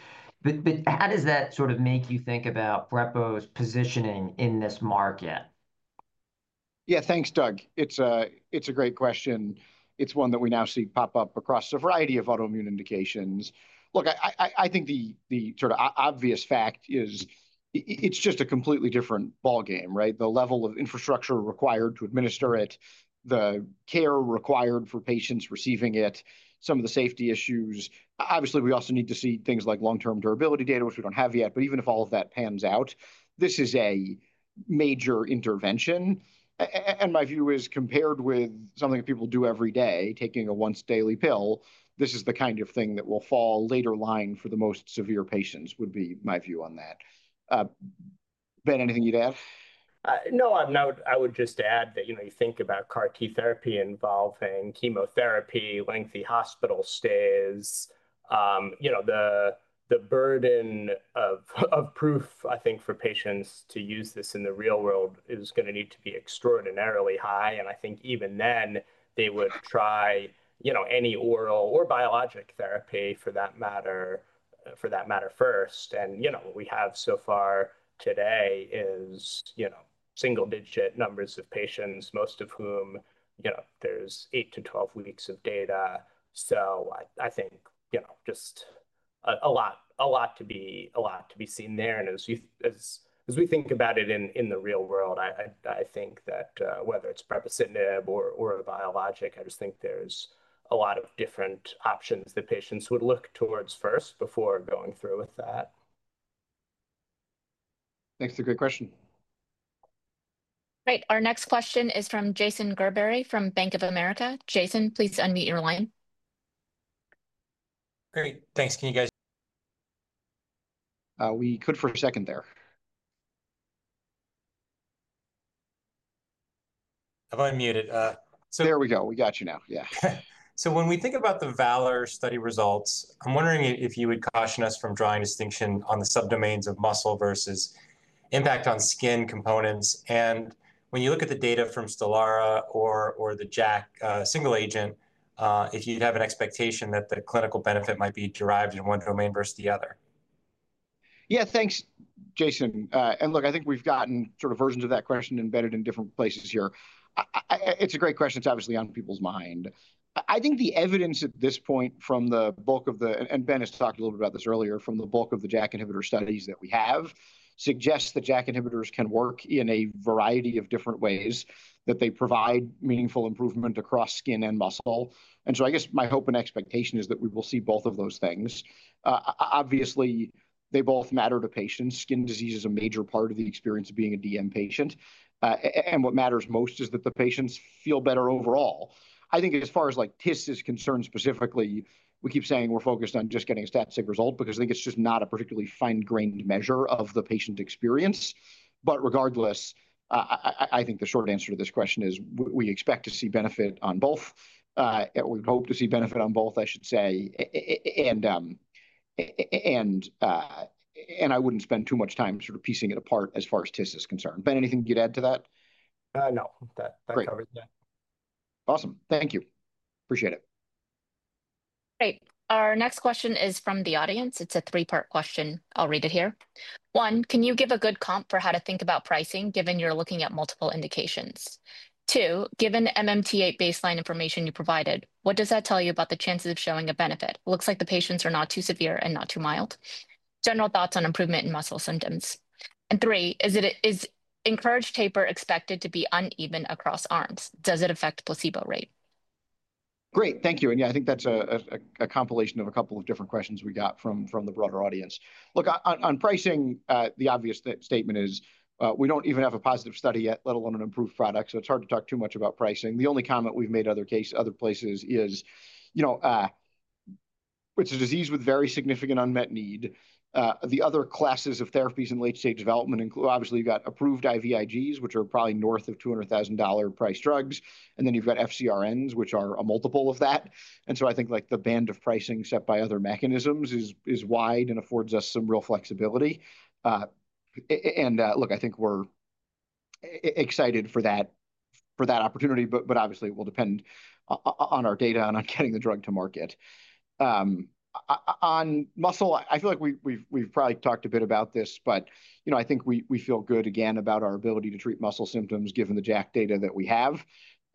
Speaker 11: How does that make you think about brepo's positioning in this market?
Speaker 2: Yeah. Thanks, Doug. It's a great question. It's one that we now see pop up across a variety of autoimmune indications. Look, I think the obvious fact is it's just a completely different ball game, right? The level of infrastructure required to administer it, the care required for patients receiving it, some of the safety issues. Obviously, we also need to see things like long-term durability data, which we don't have yet. Even if all of that pans out, this is a major intervention. My view is compared with something that people do every day, taking a once-daily pill, this is the kind of thing that will fall later line for the most severe patients would be my view on that. Ben, anything you'd add?
Speaker 3: No, I would just add that you think about CAR T therapy involving chemotherapy, lengthy hospital stays. The burden of proof, I think, for patients to use this in the real world is going to need to be extraordinarily high. I think even then, they would try any oral or biologic therapy for that matter first. What we have so far today is single-digit numbers of patients, most of whom there's eight to 12 weeks of data. I think just a lot to be seen there. And as we think about it in the real world, I think that whether it's Brepocitinib or a biologic, I just think there's a lot of different options that patients would look towards first before going through with that.
Speaker 2: Thanks. A great question.
Speaker 1: Great. Our next question is from Jason Gerberry from Bank of America. Jason, please unmute your line.
Speaker 12: Great. Thanks. Can you guys—
Speaker 2: we cut for a second there?
Speaker 12: I've unmuted.
Speaker 2: There we go. We got you now. Yeah.
Speaker 12: So when we think about the VALOR study results, I'm wondering if you would caution us from drawing distinction on the subdomains of muscle versus impact on skin components. When you look at the data from Stelara or the JAK single agent, if you'd have an expectation that the clinical benefit might be derived in one domain versus the other.
Speaker 2: Yeah. Thanks, Jason. I think we've gotten sort of versions of that question embedded in different places here. It's a great question. It's obviously on people's mind. I think the evidence at this point from the bulk of the, and Ben has talked a little bit about this earlier, from the bulk of the JAK inhibitor studies that we have suggests that JAK inhibitors can work in a variety of different ways, that they provide meaningful improvement across skin and muscle. I guess my hope and expectation is that we will see both of those things. Obviously, they both matter to patients. Skin disease is a major part of the experience of being a DM patient. What matters most is that the patients feel better overall. I think as far as TIS is concerned specifically, we keep saying we're focused on just getting a static result because I think it's just not a particularly fine-grained measure of the patient experience. Regardless, I think the short answer to this question is we expect to see benefit on both. We hope to see benefit on both, I should say. I wouldn't spend too much time sort of piecing it apart as far as TIS is concerned. Ben, anything you'd add to that?
Speaker 3: No. That's everything.
Speaker 2: Awesome. Thank you. Appreciate it.
Speaker 1: Great. Our next question is from the audience. It's a three-part question. I'll read it here. One, can you give a good comp for how to think about pricing given you're looking at multiple indications? Two, given MMT-8 baseline information you provided, what does that tell you about the chances of showing a benefit? Looks like the patients are not too severe and not too mild. General thoughts on improvement in muscle symptoms? Three, is encouraged taper expected to be uneven across arms? Does it affect placebo rate?
Speaker 2: Great. Thank you. I think that's a compilation of a couple of different questions we got from the broader audience. Look, on pricing, the obvious statement is we don't even have a positive study yet, let alone an approved product. It's hard to talk too much about pricing. The only comment we've made other places is it's a disease with very significant unmet need. The other classes of therapies in late-stage development, obviously, you've got approved IVIGs, which are probably north of $200,000 price drugs. Then you've got FCRNs, which are a multiple of that. I think the band of pricing set by other mechanisms is wide and affords us some real flexibility. Look, I think we're excited for that opportunity, but obviously, it will depend on our data and on getting the drug to market. On muscle, I feel like we've probably talked a bit about this, but I think we feel good again about our ability to treat muscle symptoms given the JAK data that we have.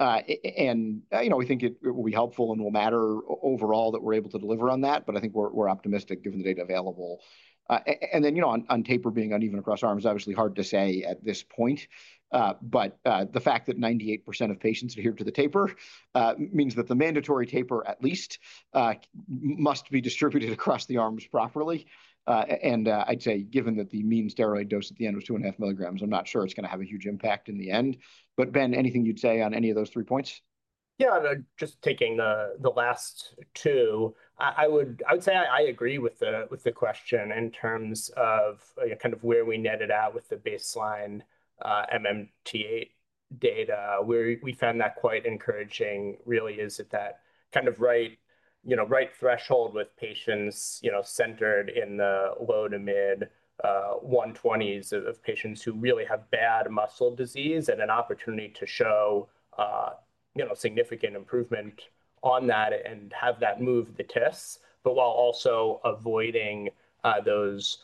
Speaker 2: We think it will be helpful and will matter overall that we're able to deliver on that. I think we're optimistic given the data available. On taper being uneven across arms, obviously, hard to say at this point. The fact that 98% of patients adhere to the taper means that the mandatory taper, at least, must be distributed across the arms properly. I'd say, given that the mean steroid dose at the end was 2.5 mg, I'm not sure it's going to have a huge impact in the end. Ben, anything you'd say on any of those three points?
Speaker 3: Yeah. Just taking the last two, I would say I agree with the question in terms of kind of where we netted out with the baseline MMT-8 data. We found that quite encouraging, really, is at that kind of right threshold with patients centered in the low to mid 120s of patients who really have bad muscle disease and an opportunity to show significant improvement on that and have that move the TIS, but while also avoiding those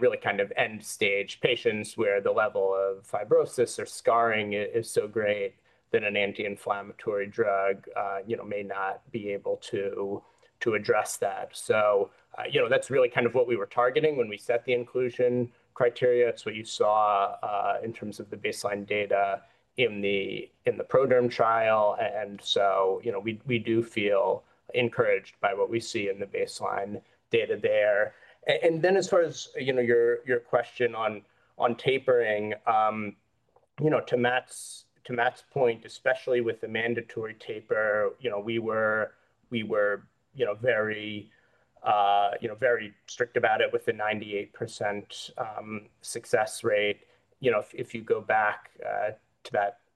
Speaker 3: really kind of end-stage patients where the level of fibrosis or scarring is so great that an anti-inflammatory drug may not be able to address that. That is really kind of what we were targeting when we set the inclusion criteria. It is what you saw in terms of the baseline data in the ProDerm trial. We do feel encouraged by what we see in the baseline data there. As far as your question on tapering, to Matt's point, especially with the mandatory taper, we were very strict about it with a 98% success rate. If you go back to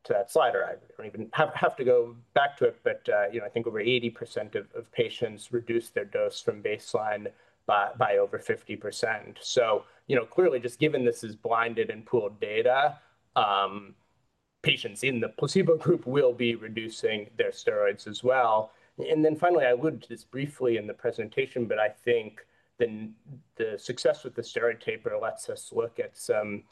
Speaker 3: that slide, or I do not even have to go back to it, but I think over 80% of patients reduced their dose from baseline by over 50%. Clearly, just given this is blinded and pooled data, patients in the placebo group will be reducing their steroids as well. Finally, I alluded to this briefly in the presentation, but I think the success with the steroid taper lets us look at some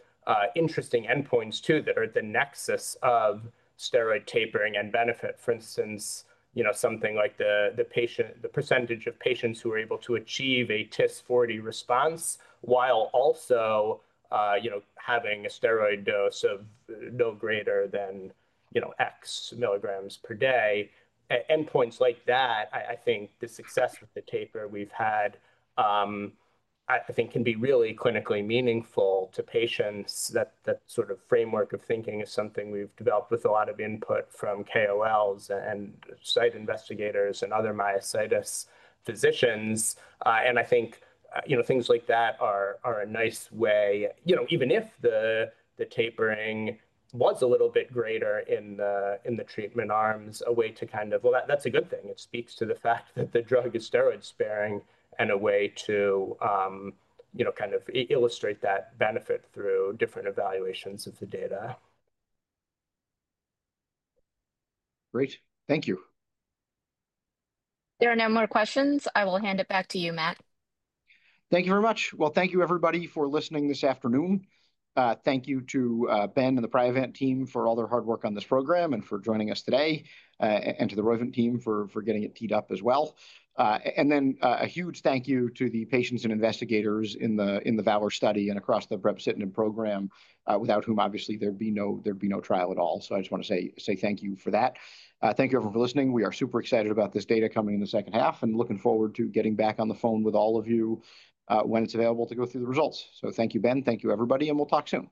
Speaker 3: interesting endpoints too that are the nexus of steroid tapering and benefit. For instance, something like the percentage of patients who are able to achieve a TIS 40 response while also having a steroid dose of no greater than X mg per day. Endpoints like that, I think the success with the taper we have had, I think, can be really clinically meaningful to patients. That sort of framework of thinking is something we've developed with a lot of input from KOLs and site investigators and other myositis physicians. I think things like that are a nice way, even if the tapering was a little bit greater in the treatment arms, a way to kind of, well, that's a good thing. It speaks to the fact that the drug is steroid-sparing and a way to kind of illustrate that benefit through different evaluations of the data.
Speaker 2: Great. Thank you.
Speaker 1: There are no more questions. I will hand it back to you, Matt.
Speaker 2: Thank you very much. Thank you, everybody, for listening this afternoon. Thank you to Ben and the Priovant team for all their hard work on this program and for joining us today, and to the Roivant team for getting it teed up as well. A huge thank you to the patients and investigators in the VALOR study and across the Brepocitinib program, without whom, obviously, there'd be no trial at all. I just want to say thank you for that. Thank you everyone for listening. We are super excited about this data coming in the second half and looking forward to getting back on the phone with all of you when it's available to go through the results. Thank you, Ben. Thank you, everybody. We'll talk soon.